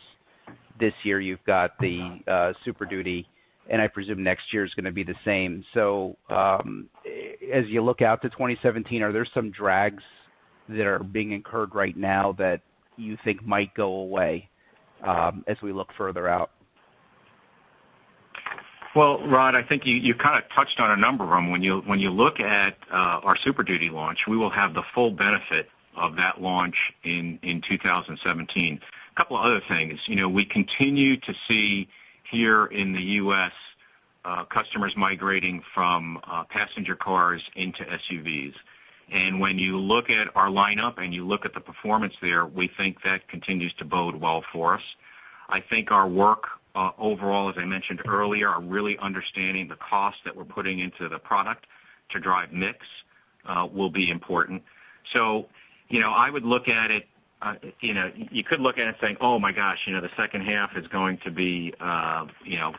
This year, you've got the Super Duty, and I presume next year is going to be the same. As you look out to 2017, are there some drags that are being incurred right now that you think might go away as we look further out? Well, Rod, I think you touched on a number of them. When you look at our Super Duty launch, we will have the full benefit of that launch in 2017. A couple of other things. We continue to see here in the U.S. customers migrating from passenger cars into SUVs. When you look at our lineup and you look at the performance there, we think that continues to bode well for us. I think our work overall, as I mentioned earlier, are really understanding the cost that we're putting into the product to drive mix will be important. I would look at it, you could look at it and think, "Oh my gosh, the second half is going to be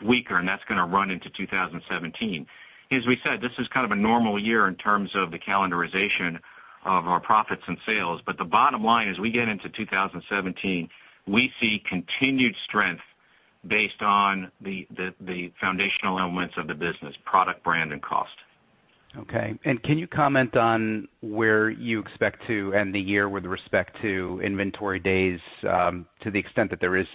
weaker, and that's going to run into 2017." As we said, this is kind of a normal year in terms of the calendarization of our profits and sales. The bottom line, as we get into 2017, we see continued strength based on the foundational elements of the business, product, brand, and cost. Okay. Can you comment on where you expect to end the year with respect to inventory days, to the extent that there is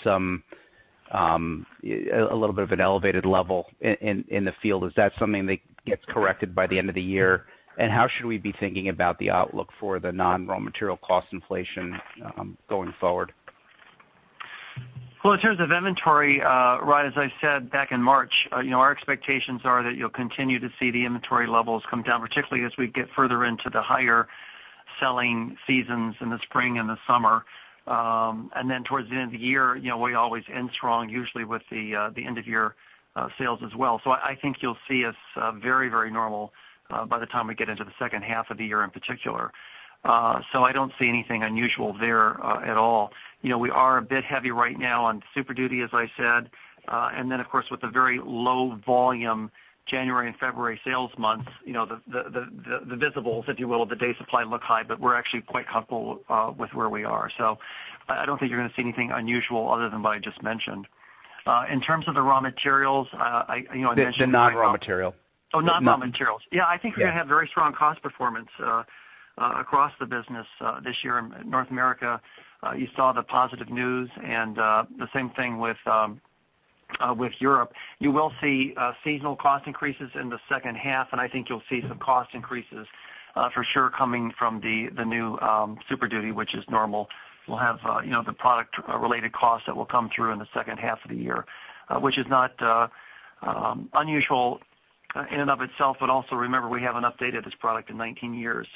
a little bit of an elevated level in the field? Is that something that gets corrected by the end of the year? How should we be thinking about the outlook for the non-raw material cost inflation going forward? Well, in terms of inventory, Rod, as I said back in March, our expectations are that you'll continue to see the inventory levels come down, particularly as we get further into the higher-selling seasons in the spring and the summer. Towards the end of the year, we always end strong, usually with the end-of-year sales as well. I think you'll see us very normal by the time we get into the second half of the year in particular. I don't see anything unusual there at all. We are a bit heavy right now on Super Duty, as I said. Of course, with the very low volume January and February sales months, the visibles, if you will, the day supply look high, but we're actually quite humble with where we are. I don't think you're going to see anything unusual other than what I just mentioned. In terms of the raw materials, I mentioned- The non-raw material. Oh, non-raw materials. Yeah. Yeah. I think we're going to have very strong cost performance across the business this year in North America. You saw the positive news and the same thing with Europe. You will see seasonal cost increases in the second half. I think you'll see some cost increases for sure coming from the new Super Duty, which is normal. We'll have the product-related costs that will come through in the second half of the year, which is not unusual in and of itself. Also remember, we haven't updated this product in 19 years.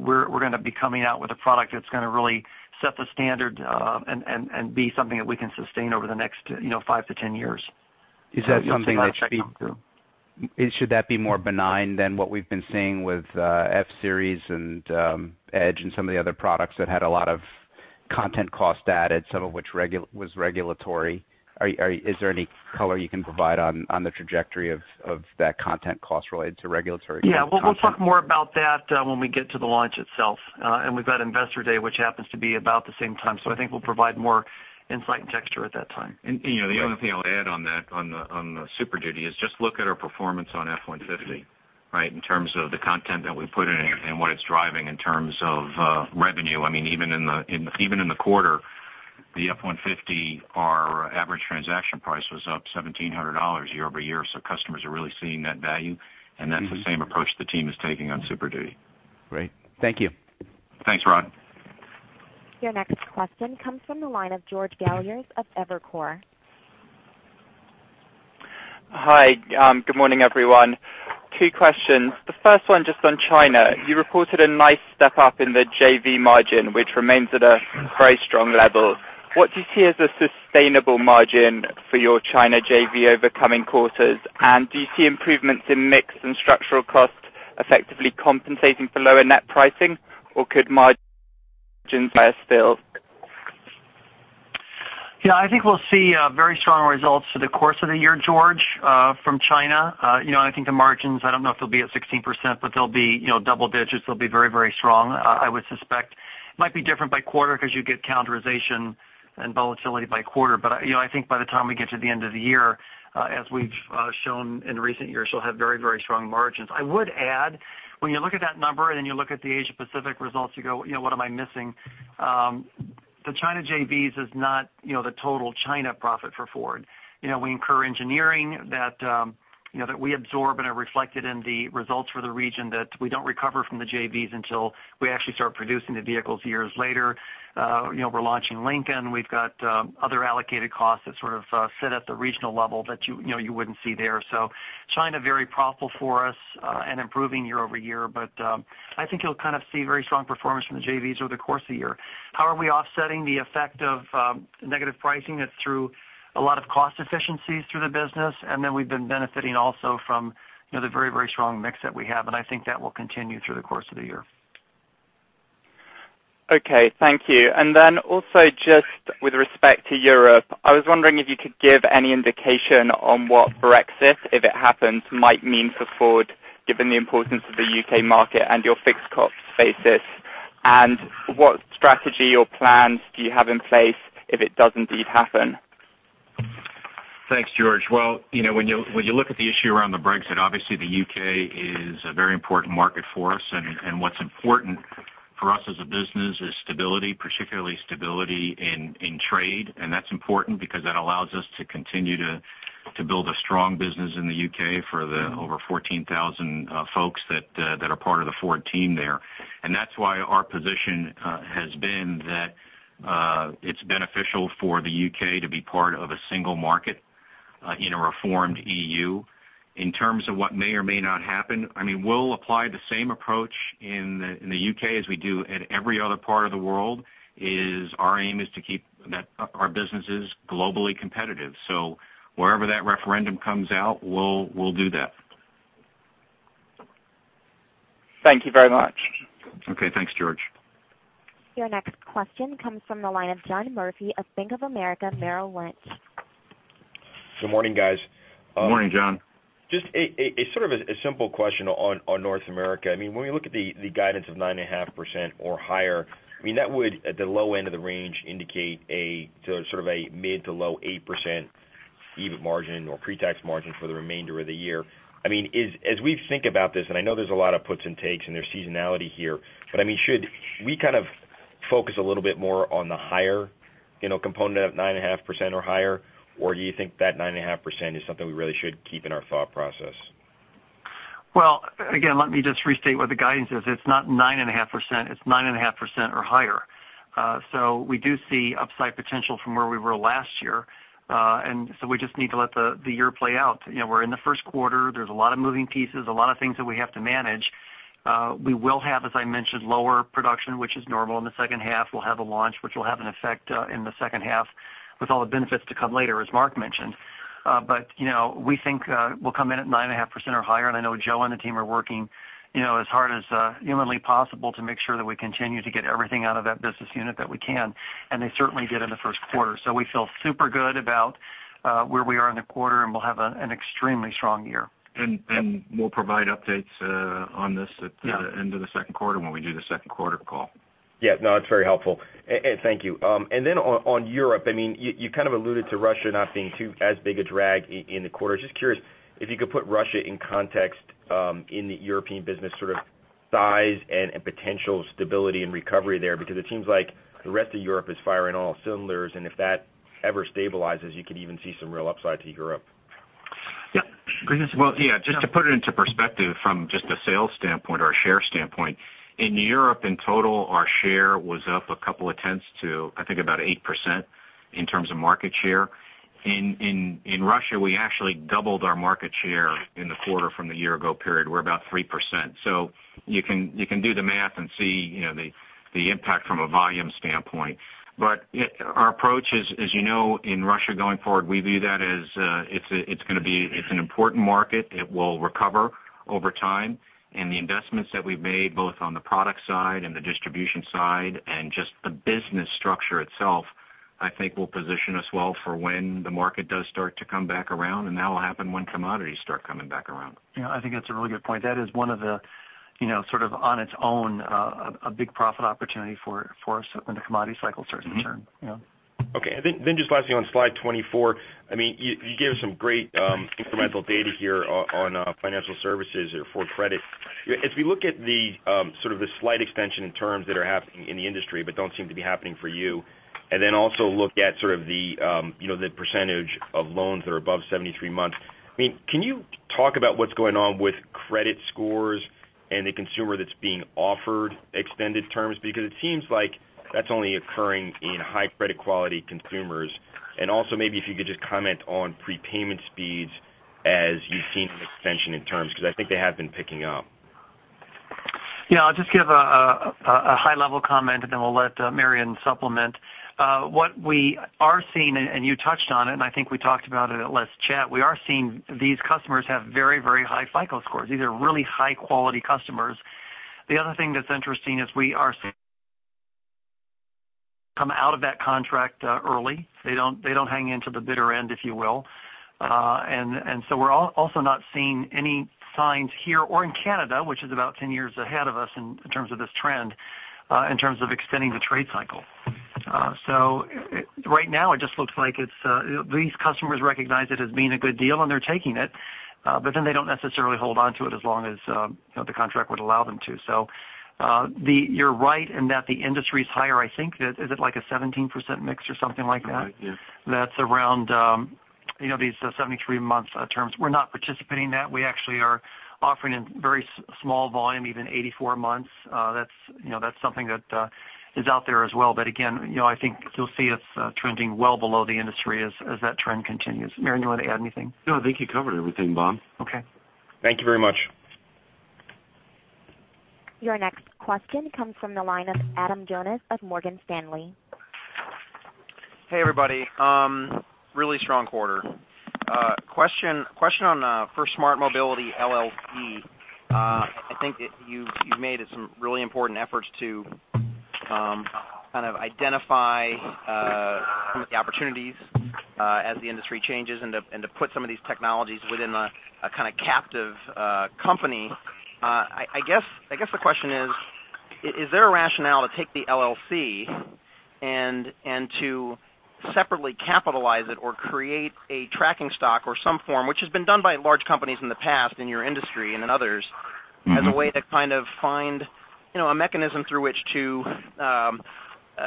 We're going to be coming out with a product that's going to really set the standard and be something that we can sustain over the next five to 10 years. Is that something that should- You'll see that come through. Should that be more benign than what we've been seeing with F-Series and Edge and some of the other products that had a lot of content cost added, some of which was regulatory? Is there any color you can provide on the trajectory of that content cost related to regulatory content? Yeah. We'll talk more about that when we get to the launch itself. We've got Investor Day, which happens to be about the same time. I think we'll provide more insight and texture at that time. The only thing I would add on that, on the Super Duty, is just look at our performance on F-150, right? In terms of the content that we put in and what it's driving in terms of revenue. Even in the quarter, the F-150, our average transaction price was up $1,700 year-over-year. Customers are really seeing that value, and that's the same approach the team is taking on Super Duty. Great. Thank you. Thanks, Rod. Your next question comes from the line of George Galliers of Evercore. Hi. Good morning, everyone. Two questions. The first one, just on China. You reported a nice step-up in the JV margin, which remains at a very strong level. What do you see as a sustainable margin for your China JV over coming quarters? Do you see improvements in mix and structural costs effectively compensating for lower net pricing? Could margins still? I think we'll see very strong results through the course of the year, George, from China. I think the margins, I don't know if they'll be at 16%, but they'll be double digits. They'll be very strong, I would suspect. Might be different by quarter because you get calendarization and volatility by quarter. I think by the time we get to the end of the year, as we've shown in recent years, you'll have very strong margins. I would add, when you look at that number and then you look at the Asia Pacific results, you go, "What am I missing?" The China JVs is not the total China profit for Ford. We incur engineering that we absorb and are reflected in the results for the region that we don't recover from the JVs until we actually start producing the vehicles years later. We're launching Lincoln. We've got other allocated costs that sort of sit at the regional level that you wouldn't see there. China, very profitable for us and improving year-over-year. I think you'll kind of see very strong performance from the JVs over the course of the year. How are we offsetting the effect of negative pricing? It's through a lot of cost efficiencies through the business, and then we've been benefiting also from the very strong mix that we have, and I think that will continue through the course of the year. Thank you. Also just with respect to Europe, I was wondering if you could give any indication on what Brexit, if it happens, might mean for Ford, given the importance of the U.K. market and your fixed cost basis, and what strategy or plans do you have in place if it does indeed happen? Thanks, George. When you look at the issue around the Brexit, obviously the U.K. is a very important market for us. What's important for us as a business is stability, particularly stability in trade. That's important because that allows us to continue to build a strong business in the U.K. for the over 14,000 folks that are part of the Ford team there. That's why our position has been that it's beneficial for the U.K. to be part of a single market in a reformed EU. In terms of what may or may not happen, we'll apply the same approach in the U.K. as we do at every other part of the world, is our aim is to keep our businesses globally competitive. Wherever that referendum comes out, we'll do that. Thank you very much. Okay. Thanks, George. Your next question comes from the line of John Murphy of Bank of America Merrill Lynch. Good morning, guys. Good morning, John. Sort of a simple question on North America. When we look at the guidance of 9.5% or higher, that would, at the low end of the range, indicate a mid to low 8% EBIT margin or pre-tax margin for the remainder of the year. As we think about this, I know there's a lot of puts and takes and there's seasonality here, should we kind of focus a little bit more on the higher component of 9.5% or higher? Do you think that 9.5% is something we really should keep in our thought process? Well, again, let me just restate what the guidance is. It's not 9.5%, it's 9.5% or higher. We do see upside potential from where we were last year. We just need to let the year play out. We're in the first quarter. There's a lot of moving pieces, a lot of things that we have to manage. We will have, as I mentioned, lower production, which is normal. In the second half, we'll have a launch, which will have an effect in the second half with all the benefits to come later, as Mark mentioned. We think we'll come in at 9.5% or higher. I know Joe and the team are working as hard as humanly possible to make sure that we continue to get everything out of that business unit that we can. They certainly did in the first quarter. We feel super good about where we are in the quarter and we'll have an extremely strong year. We'll provide updates on this at the end of the second quarter when we do the second quarter call. Yeah. No, that's very helpful. Thank you. On Europe, you kind of alluded to Russia not being as big a drag in the quarter. Just curious if you could put Russia in context in the European business, sort of size and potential stability and recovery there, because it seems like the rest of Europe is firing all cylinders, and if that ever stabilizes, you could even see some real upside to Europe. Yeah. Well, yeah, just to put it into perspective from just a sales standpoint or a share standpoint. In Europe, in total, our share was up a couple of tenths to, I think about 8% in terms of market share. In Russia, we actually doubled our market share in the quarter from the year ago period. We're about 3%. You can do the math and see the impact from a volume standpoint. Our approach is, as you know, in Russia going forward, we view that as it's going to be an important market. It will recover over time. The investments that we've made, both on the product side and the distribution side and just the business structure itself, I think will position us well for when the market does start to come back around, and that will happen when commodities start coming back around. Yeah, I think that's a really good point. That is one of the, sort of on its own, a big profit opportunity for us when the commodity cycle starts to turn. Okay. Just lastly, on slide 24, you gave some great incremental data here on financial services or Ford Credit. If you look at the slight extension in terms that are happening in the industry but don't seem to be happening for you, also look at sort of the percentage of loans that are above 73 months. Can you talk about what's going on with credit scores and the consumer that's being offered extended terms? It seems like that's only occurring in high credit quality consumers. Also maybe if you could just comment on prepayment speeds as you've seen an extension in terms, because I think they have been picking up. Yeah. I'll just give a high-level comment then we'll let Marion supplement. What we are seeing, you touched on it, I think we talked about it at Last Chat, we are seeing these customers have very, very high FICO scores. These are really high-quality customers. The other thing that's interesting is we are seeing come out of that contract early. They don't hang in till the bitter end, if you will. We're also not seeing any signs here or in Canada, which is about 10 years ahead of us in terms of this trend, in terms of extending the trade cycle. Right now it just looks like these customers recognize it as being a good deal and they're taking it, they don't necessarily hold onto it as long as the contract would allow them to. You're right in that the industry is higher. I think, is it like a 17% mix or something like that? Right. Yes. That's around these 73 months terms. We're not participating in that. We actually are offering in very small volume, even 84 months. That's something that is out there as well. Again, I think you'll see us trending well below the industry as that trend continues. Marion, you want to add anything? No, I think you covered everything, Bob. Okay. Thank you very much. Your next question comes from the line of Adam Jonas of Morgan Stanley. Hey, everybody. Really strong quarter. Question for Ford Smart Mobility LLC. I think you've made some really important efforts to kind of identify some of the opportunities as the industry changes and to put some of these technologies within a kind of captive company. I guess the question is there a rationale to take the LLC to separately capitalize it or create a tracking stock or some form, which has been done by large companies in the past in your industry and in others. As a way to find a mechanism through which to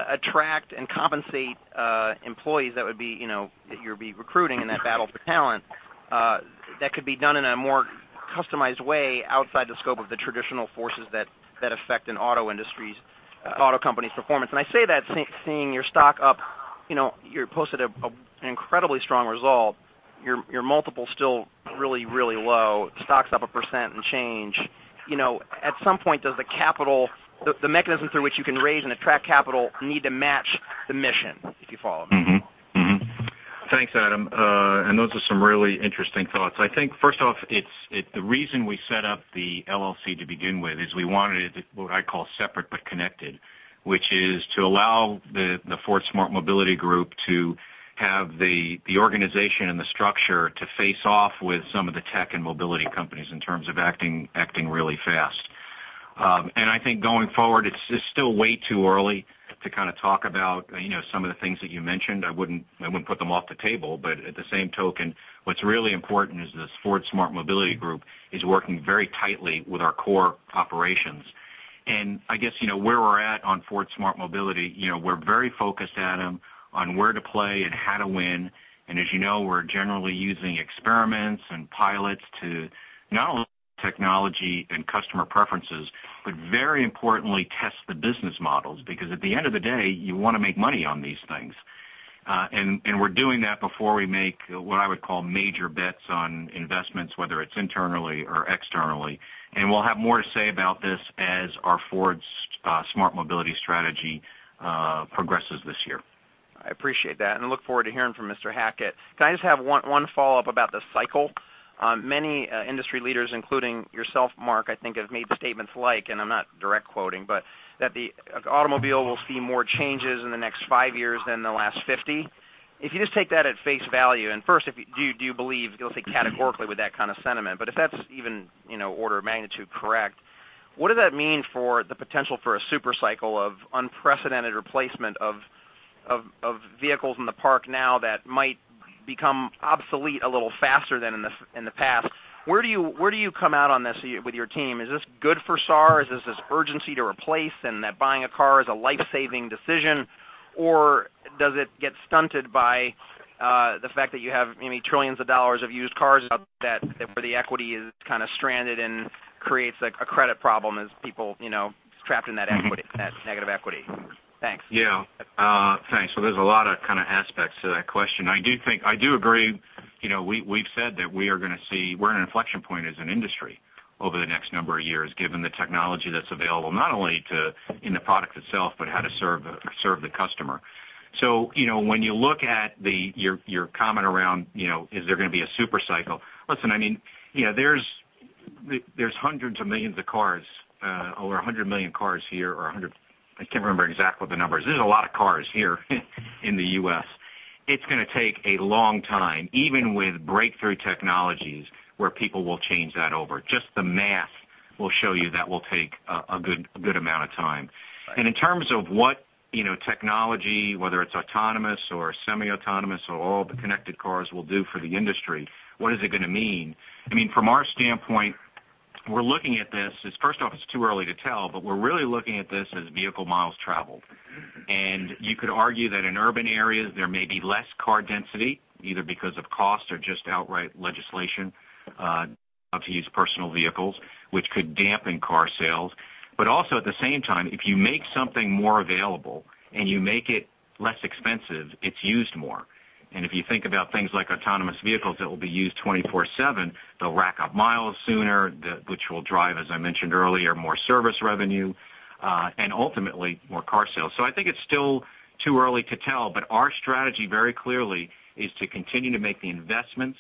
attract and compensate employees that you'll be recruiting in that battle for talent that could be done in a more customized way outside the scope of the traditional forces that affect an auto company's performance. I say that seeing your stock up, you posted an incredibly strong result. Your multiple's still really, really low. Stock's up 1% and change. At some point, does the mechanism through which you can raise and attract capital need to match the mission, if you follow me? Thanks, Adam. Those are some really interesting thoughts. I think, first off, the reason we set up the LLC to begin with is we wanted it, what I call separate but connected, which is to allow the Ford Smart Mobility Group to have the organization and the structure to face off with some of the tech and mobility companies in terms of acting really fast. I think going forward, it's still way too early to talk about some of the things that you mentioned. I wouldn't put them off the table, at the same token, what's really important is this Ford Smart Mobility Group is working very tightly with our core operations. I guess, where we're at on Ford Smart Mobility, we're very focused, Adam, on where to play and how to win. As you know, we're generally using experiments and pilots to not only technology and customer preferences, but very importantly, test the business models, because at the end of the day, you want to make money on these things. We're doing that before we make what I would call major bets on investments, whether it's internally or externally. We'll have more to say about this as our Ford Smart Mobility strategy progresses this year. I appreciate that and look forward to hearing from Mr. Hackett. Can I just have one follow-up about the cycle? Many industry leaders, including yourself, Mark, I think have made statements like, and I'm not direct quoting, but that the automobile will see more changes in the next five years than the last 50. If you just take that at face value, and first, do you believe, I'll say categorically with that kind of sentiment, but if that's even order of magnitude correct, what does that mean for the potential for a super cycle of unprecedented replacement of vehicles in the park now that might become obsolete a little faster than in the past? Where do you come out on this with your team? Is this good for SAR? Is this urgency to replace and that buying a car is a life-saving decision, or does it get stunted by the fact that you have maybe trillions of dollars of used cars out that where the equity is kind of stranded and creates a credit problem as people trapped in that negative equity? Thanks. Yeah. Thanks. There's a lot of aspects to that question. I do agree. We've said that we're in an inflection point as an industry over the next number of years, given the technology that's available, not only in the product itself, but how to serve the customer. When you look at your comment around, is there going to be a super cycle? Listen, there's hundreds of millions of cars, over 100 million cars here, or 100 I can't remember exactly what the number is. There's a lot of cars here in the U.S. It's going to take a long time, even with breakthrough technologies, where people will change that over. Just the math will show you that will take a good amount of time. Right. In terms of what technology, whether it's autonomous or semi-autonomous or all the connected cars will do for the industry, what is it going to mean? From our standpoint, we're looking at this as, first off, it's too early to tell, we're really looking at this as vehicle miles traveled. You could argue that in urban areas, there may be less car density, either because of cost or just outright legislation to use personal vehicles, which could dampen car sales. Also, at the same time, if you make something more available and you make it less expensive, it's used more. If you think about things like autonomous vehicles that will be used 24/7, they'll rack up miles sooner, which will drive, as I mentioned earlier, more service revenue, and ultimately more car sales. I think it's still too early to tell, but our strategy very clearly is to continue to make the investments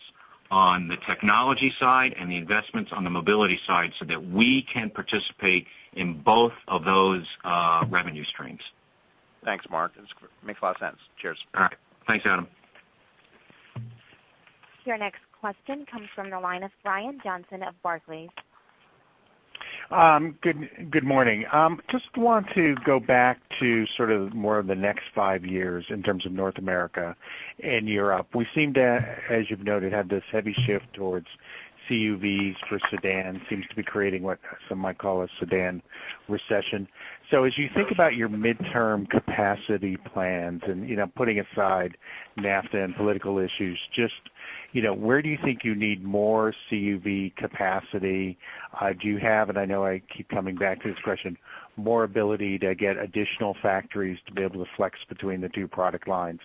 on the technology side and the investments on the mobility side so that we can participate in both of those revenue streams. Thanks, Mark. It makes a lot of sense. Cheers. All right. Thanks, Adam. Your next question comes from the line of Brian Johnson of Barclays. Good morning. Want to go back to sort of more of the next five years in terms of North America and Europe. We seem to, as you've noted, have this heavy shift towards CUVs for sedans. Seems to be creating what some might call a sedan recession. As you think about your midterm capacity plans and putting aside NAFTA and political issues, just where do you think you need more CUV capacity? Do you have, and I know I keep coming back to this question, more ability to get additional factories to be able to flex between the two product lines?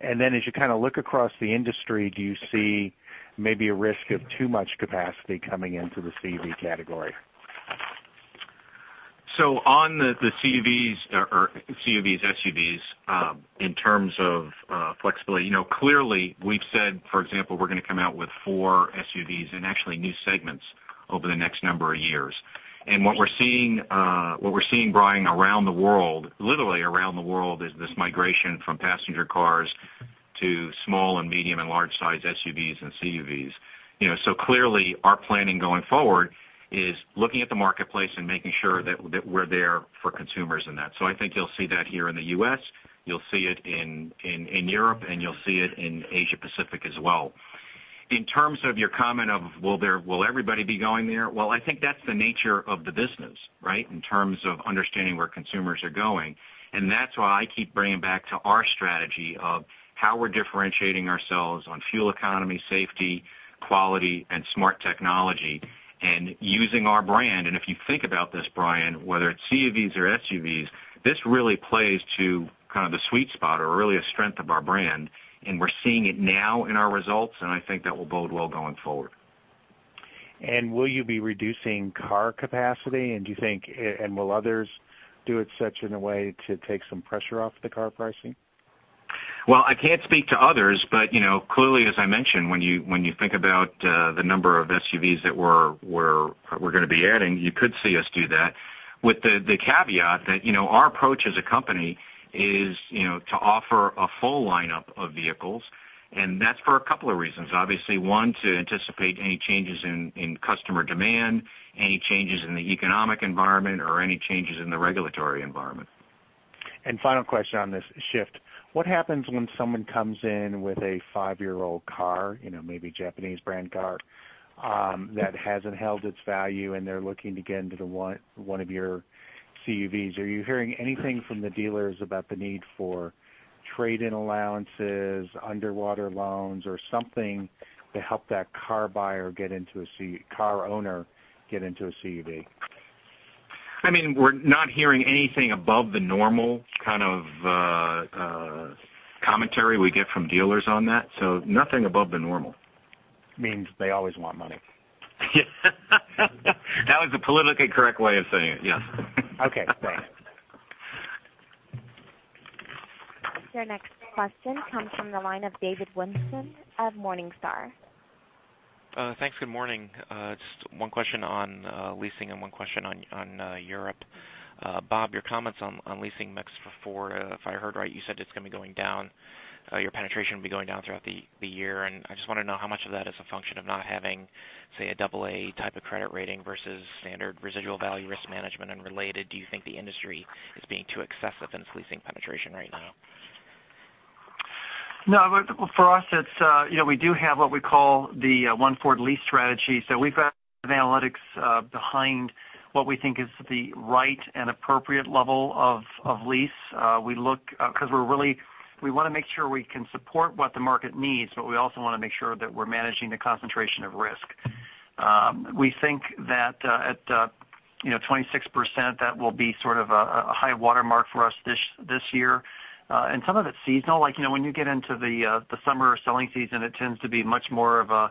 As you kind of look across the industry, do you see maybe a risk of too much capacity coming into the CUV category? On the CUVs, SUVs, in terms of flexibility, clearly we've said, for example, we're going to come out with four SUVs and actually new segments over the next number of years. What we're seeing, Brian, around the world, literally around the world, is this migration from passenger cars to small and medium and large size SUVs and CUVs. Clearly our planning going forward is looking at the marketplace and making sure that we're there for consumers in that. I think you'll see that here in the U.S., you'll see it in Europe, and you'll see it in Asia-Pacific as well. In terms of your comment of, will everybody be going there? Well, I think that's the nature of the business, right? In terms of understanding where consumers are going. That's why I keep bringing back to our strategy of how we're differentiating ourselves on fuel economy, safety, quality, and smart technology, and using our brand. If you think about this, Brian, whether it's CUVs or SUVs, this really plays to kind of the sweet spot or really a strength of our brand, and we're seeing it now in our results, and I think that will bode well going forward. Will you be reducing car capacity? Do you think, and will others do it such in a way to take some pressure off the car pricing? I can't speak to others, clearly as I mentioned, when you think about the number of SUVs that we're going to be adding, you could see us do that with the caveat that our approach as a company is to offer a full lineup of vehicles, that's for a couple of reasons. Obviously, one, to anticipate any changes in customer demand, any changes in the economic environment, or any changes in the regulatory environment. Final question on this shift. What happens when someone comes in with a five-year-old car, maybe a Japanese brand car, that hasn't held its value, and they're looking to get into one of your CUVs. Are you hearing anything from the dealers about the need for trade-in allowances, underwater loans, or something to help that car buyer or car owner get into a CUV? I mean, we're not hearing anything above the normal kind of commentary we get from dealers on that. Nothing above the normal. Means they always want money. That was the politically correct way of saying it, yes. Okay, thanks. Your next question comes from the line of David Whiston of Morningstar. Thanks. Good morning. Just one question on leasing and one question on Europe. Bob, your comments on leasing mix for Ford, if I heard right, you said it's going to be going down, your penetration will be going down throughout the year. I just want to know how much of that is a function of not having, say, an AA type of credit rating versus standard residual value risk management. Related, do you think the industry is being too excessive in its leasing penetration right now? We do have what we call the One Ford Lease strategy. We've got analytics behind what we think is the right and appropriate level of lease. We want to make sure we can support what the market needs, but we also want to make sure that we're managing the concentration of risk. We think that at 26%, that will be sort of a high watermark for us this year. Some of it's seasonal. When you get into the summer selling season, it tends to be much more of a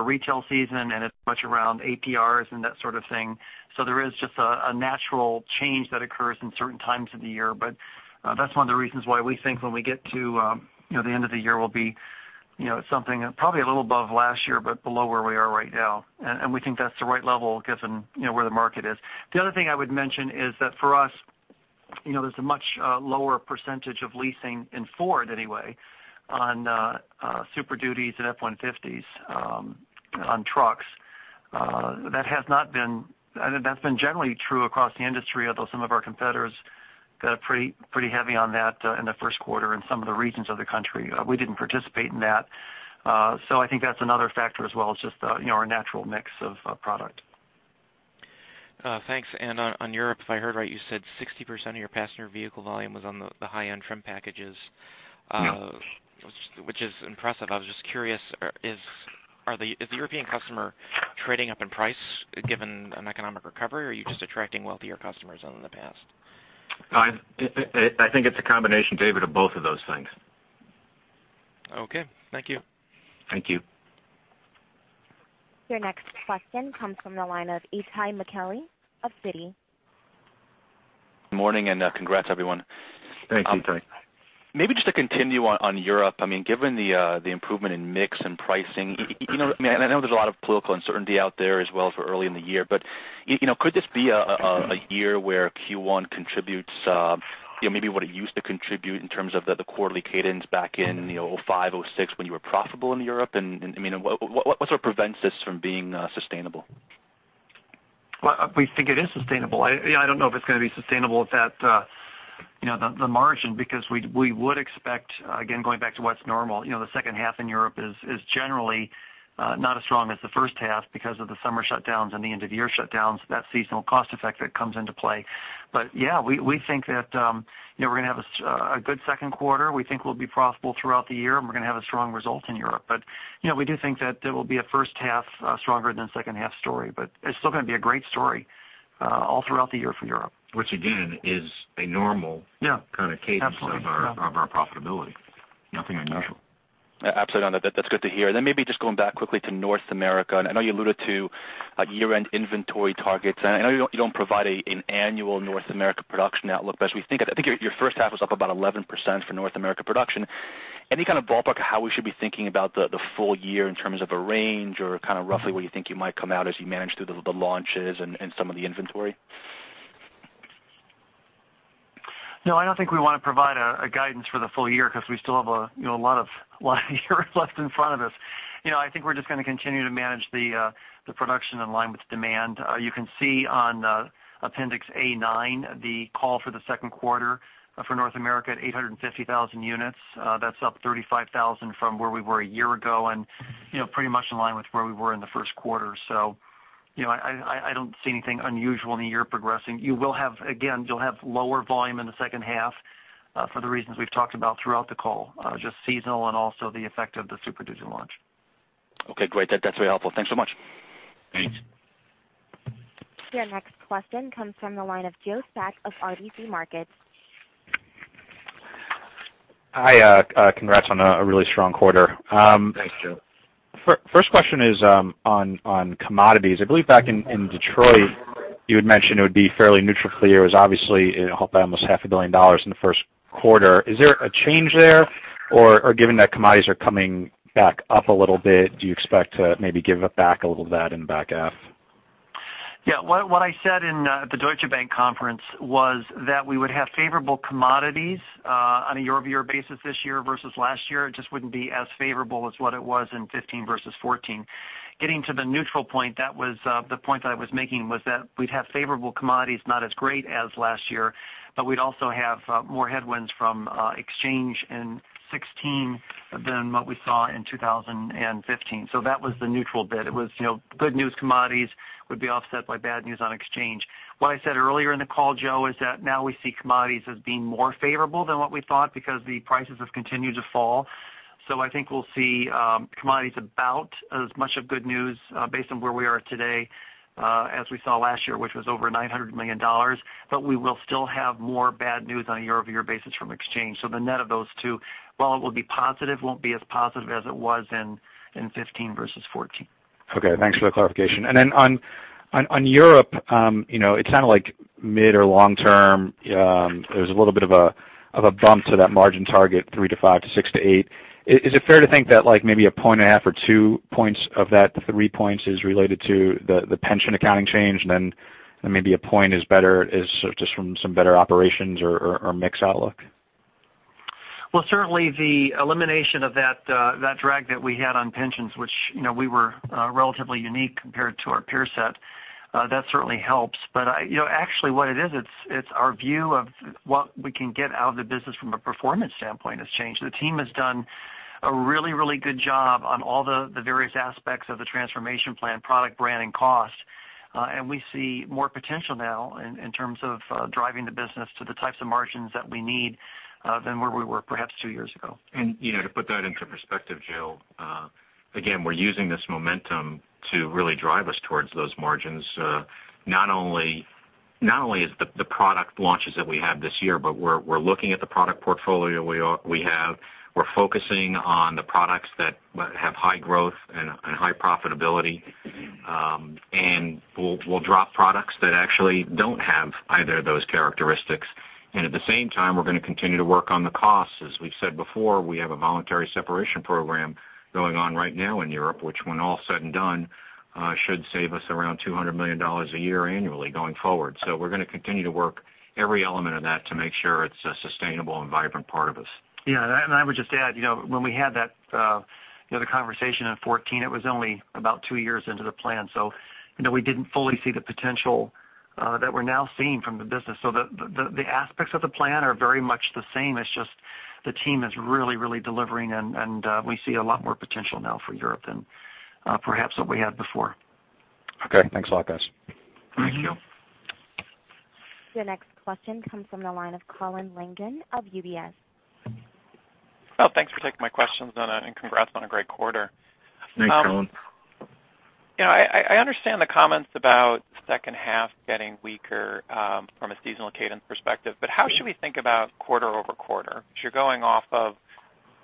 retail season, and it's much around APRs and that sort of thing. There is just a natural change that occurs in certain times of the year. That's one of the reasons why we think when we get to the end of the year, we'll be something probably a little above last year, but below where we are right now. We think that's the right level given where the market is. The other thing I would mention is that for us, there's a much lower percentage of leasing in Ford anyway on Super Dutys and F-150s on trucks. That's been generally true across the industry, although some of our competitors got pretty heavy on that in the first quarter in some of the regions of the country. We didn't participate in that. I think that's another factor as well. It's just our natural mix of product. Thanks. On Europe, if I heard right, you said 60% of your passenger vehicle volume was on the high-end trim packages. Yes Which is impressive. I was just curious, is the European customer trading up in price given an economic recovery, or are you just attracting wealthier customers than in the past? I think it's a combination, David, of both of those things. Okay. Thank you. Thank you. Your next question comes from the line of Itay Michaeli of Citi. Morning. Congrats, everyone. Thank you, Itay. Maybe just to continue on Europe, given the improvement in mix and pricing, I know there's a lot of political uncertainty out there as well for early in the year, but could this be a year where Q1 contributes maybe what it used to contribute in terms of the quarterly cadence back in 2005, 2006, when you were profitable in Europe? What sort of prevents this from being sustainable? Well, we think it is sustainable. I don't know if it's going to be sustainable at the margin because we would expect, again, going back to what's normal, the second half in Europe is generally not as strong as the first half because of the summer shutdowns and the end-of-year shutdowns. That seasonal cost effect that comes into play. Yeah, we think that we're going to have a good second quarter. We think we'll be profitable throughout the year, and we're going to have a strong result in Europe. We do think that it will be a first half stronger than second half story, but it's still going to be a great story all throughout the year for Europe. Again, is a normal- Yeah kind of cadence- Absolutely of our profitability. Nothing unusual. Absolutely. That's good to hear. maybe just going back quickly to North America, I know you alluded to year-end inventory targets, I know you don't provide an annual North America production outlook. as we think of it, I think your first half was up about 11% for North America production. Any kind of ballpark of how we should be thinking about the full year in terms of a range or kind of roughly where you think you might come out as you manage through the launches and some of the inventory? No, I don't think we want to provide a guidance for the full year because we still have a lot of year left in front of us. I think we're just going to continue to manage the production in line with demand. You can see on appendix A9, the call for the second quarter for North America at 850,000 units. That's up 35,000 from where we were a year ago, and pretty much in line with where we were in the first quarter. I don't see anything unusual in the year progressing. You will have, again, lower volume in the second half for the reasons we've talked about throughout the call, just seasonal and also the effect of the Super Duty launch. Okay, great. That's very helpful. Thanks so much. Thanks. Your next question comes from the line of Joe Spak of RBC Capital Markets. Hi, congrats on a really strong quarter. Thanks, Joe. First question is on commodities. I believe back in Detroit, you had mentioned it would be fairly neutral for the year. It was obviously helped by almost half a billion dollars in the first quarter. Is there a change there, or given that commodities are coming back up a little bit, do you expect to maybe give it back a little of that in the back half? Yeah. What I said in the Deutsche Bank conference was that we would have favorable commodities on a year-over-year basis this year versus last year. It just wouldn't be as favorable as what it was in 2015 versus 2014. Getting to the neutral point, the point that I was making was that we'd have favorable commodities, not as great as last year, but we'd also have more headwinds from exchange in 2016 than what we saw in 2015. That was the neutral bit. It was good news commodities would be offset by bad news on exchange. What I said earlier in the call, Joe, is that now we see commodities as being more favorable than what we thought because the prices have continued to fall. I think we'll see commodities about as much of good news based on where we are today as we saw last year, which was over $900 million, but we will still have more bad news on a year-over-year basis from exchange. The net of those two, while it will be positive, won't be as positive as it was in 2015 versus 2014. Okay, thanks for the clarification. On Europe, it's kind of mid or long-term there's a little bit of a bump to that margin target 3%-5% to 6%-8%. Is it fair to think that maybe 1.5 points or 2 points of that 3 points is related to the pension accounting change, then maybe 1 point is just from some better operations or mix outlook? Well, certainly the elimination of that drag that we had on pensions, which we were relatively unique compared to our peer set, that certainly helps. Actually what it is, it's our view of what we can get out of the business from a performance standpoint has changed. The team has done a really good job on all the various aspects of the transformation plan, product brand, and cost. We see more potential now in terms of driving the business to the types of margins that we need than where we were perhaps 2 years ago. To put that into perspective, Joe, again, we're using this momentum to really drive us towards those margins. Not only is the product launches that we have this year, but we're looking at the product portfolio we have. We're focusing on the products that have high growth and high profitability, and we'll drop products that actually don't have either of those characteristics. At the same time, we're going to continue to work on the costs. As we've said before, we have a voluntary separation program going on right now in Europe, which when all said and done, should save us around $200 million a year annually going forward. We're going to continue to work every element of that to make sure it's a sustainable and vibrant part of us. Yeah, I would just add, when we had that conversation in 2014, it was only about 2 years into the plan, we didn't fully see the potential that we're now seeing from the business. The aspects of the plan are very much the same. It's just the team is really delivering and we see a lot more potential now for Europe than perhaps what we had before. Okay. Thanks a lot, guys. Thank you. Your next question comes from the line of Colin Langan of UBS. Oh, thanks for taking my questions, Donna, and congrats on a great quarter. Thanks, Colin. I understand the comments about second half getting weaker from a seasonal cadence perspective, how should we think about quarter-over-quarter? You're going off of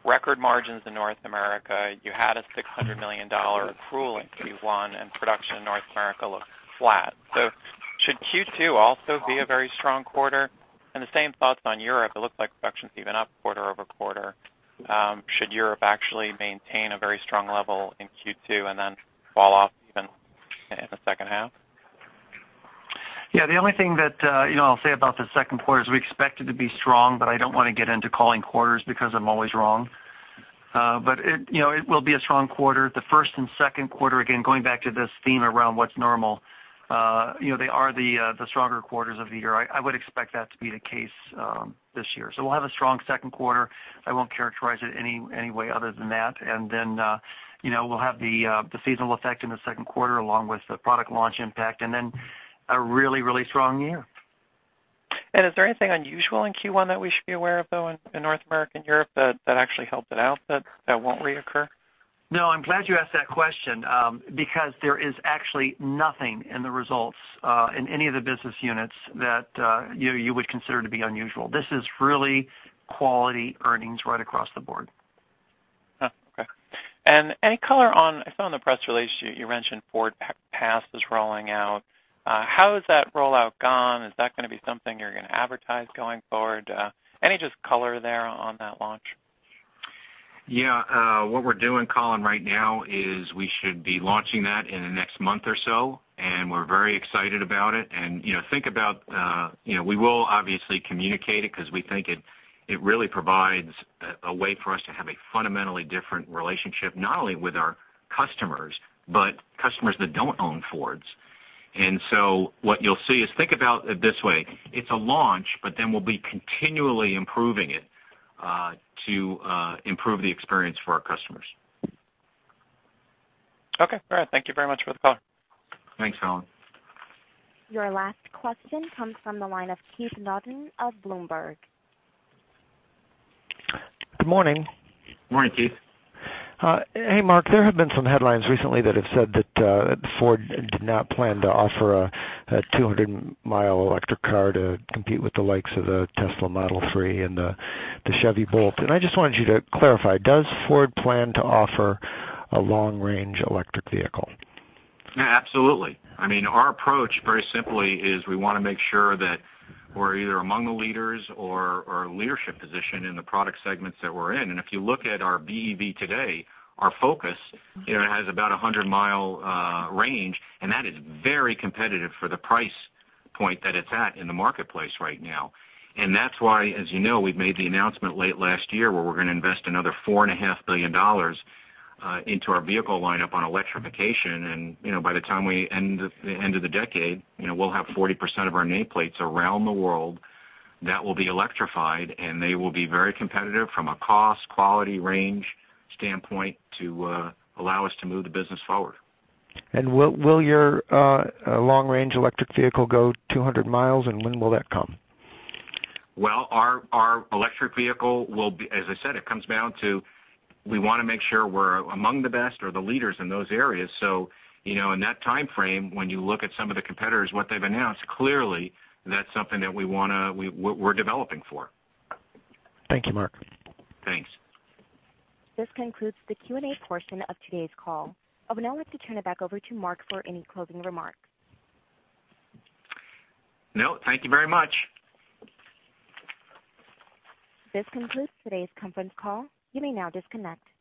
record margins in North America. You had a $600 million accrual in Q1 and production in North America looked flat. Should Q2 also be a very strong quarter? The same thoughts on Europe. It looks like production's even up quarter-over-quarter. Should Europe actually maintain a very strong level in Q2 and then fall off even in the second half? The only thing that I'll say about the second quarter is we expect it to be strong, I don't want to get into calling quarters because I'm always wrong. It will be a strong quarter. The first and second quarter, again, going back to this theme around what's normal, they are the stronger quarters of the year. I would expect that to be the case this year. We'll have a strong second quarter. I won't characterize it any way other than that. Then we'll have the seasonal effect in the second quarter along with the product launch impact and then a really strong year. Is there anything unusual in Q1 that we should be aware of, though, in North America and Europe that actually helped it out that won't reoccur? I'm glad you asked that question because there is actually nothing in the results in any of the business units that you would consider to be unusual. This is really quality earnings right across the board. Oh, okay. Any color on, I saw in the press release you mentioned FordPass is rolling out. How has that rollout gone? Is that going to be something you're going to advertise going forward? Any just color there on that launch? Yeah. What we're doing, Colin, right now is we should be launching that in the next month or so, and we're very excited about it. We will obviously communicate it because we think it really provides a way for us to have a fundamentally different relationship, not only with our customers, but customers that don't own Fords. What you'll see is, think about it this way, it's a launch, but then we'll be continually improving it to improve the experience for our customers. Okay, all right. Thank you very much for the call. Thanks, Colin. Your last question comes from the line of Keith Naughton of Bloomberg. Good morning. Morning, Keith. Hey, Mark. There have been some headlines recently that have said that Ford did not plan to offer a 200-mile electric car to compete with the likes of the Tesla Model 3 and the Chevy Bolt, I just wanted you to clarify, does Ford plan to offer a long-range electric vehicle? Absolutely. Our approach very simply is we want to make sure that we're either among the leaders or a leadership position in the product segments that we're in. If you look at our BEV today, our Focus, it has about 100-mile range, that is very competitive for the price point that it's at in the marketplace right now. That's why, as you know, we've made the announcement late last year where we're going to invest another $4.5 billion into our vehicle lineup on electrification, by the time we end the end of the decade, we'll have 40% of our nameplates around the world that will be electrified, they will be very competitive from a cost, quality, range standpoint to allow us to move the business forward. Will your long-range electric vehicle go 200 miles, and when will that come? Well, our electric vehicle will be, as I said, it comes down to we want to make sure we're among the best or the leaders in those areas. In that timeframe, when you look at some of the competitors, what they've announced, clearly, that's something that we're developing for. Thank you, Mark. Thanks. This concludes the Q&A portion of today's call. I would now like to turn it back over to Mark for any closing remarks. No, thank you very much. This concludes today's conference call. You may now disconnect.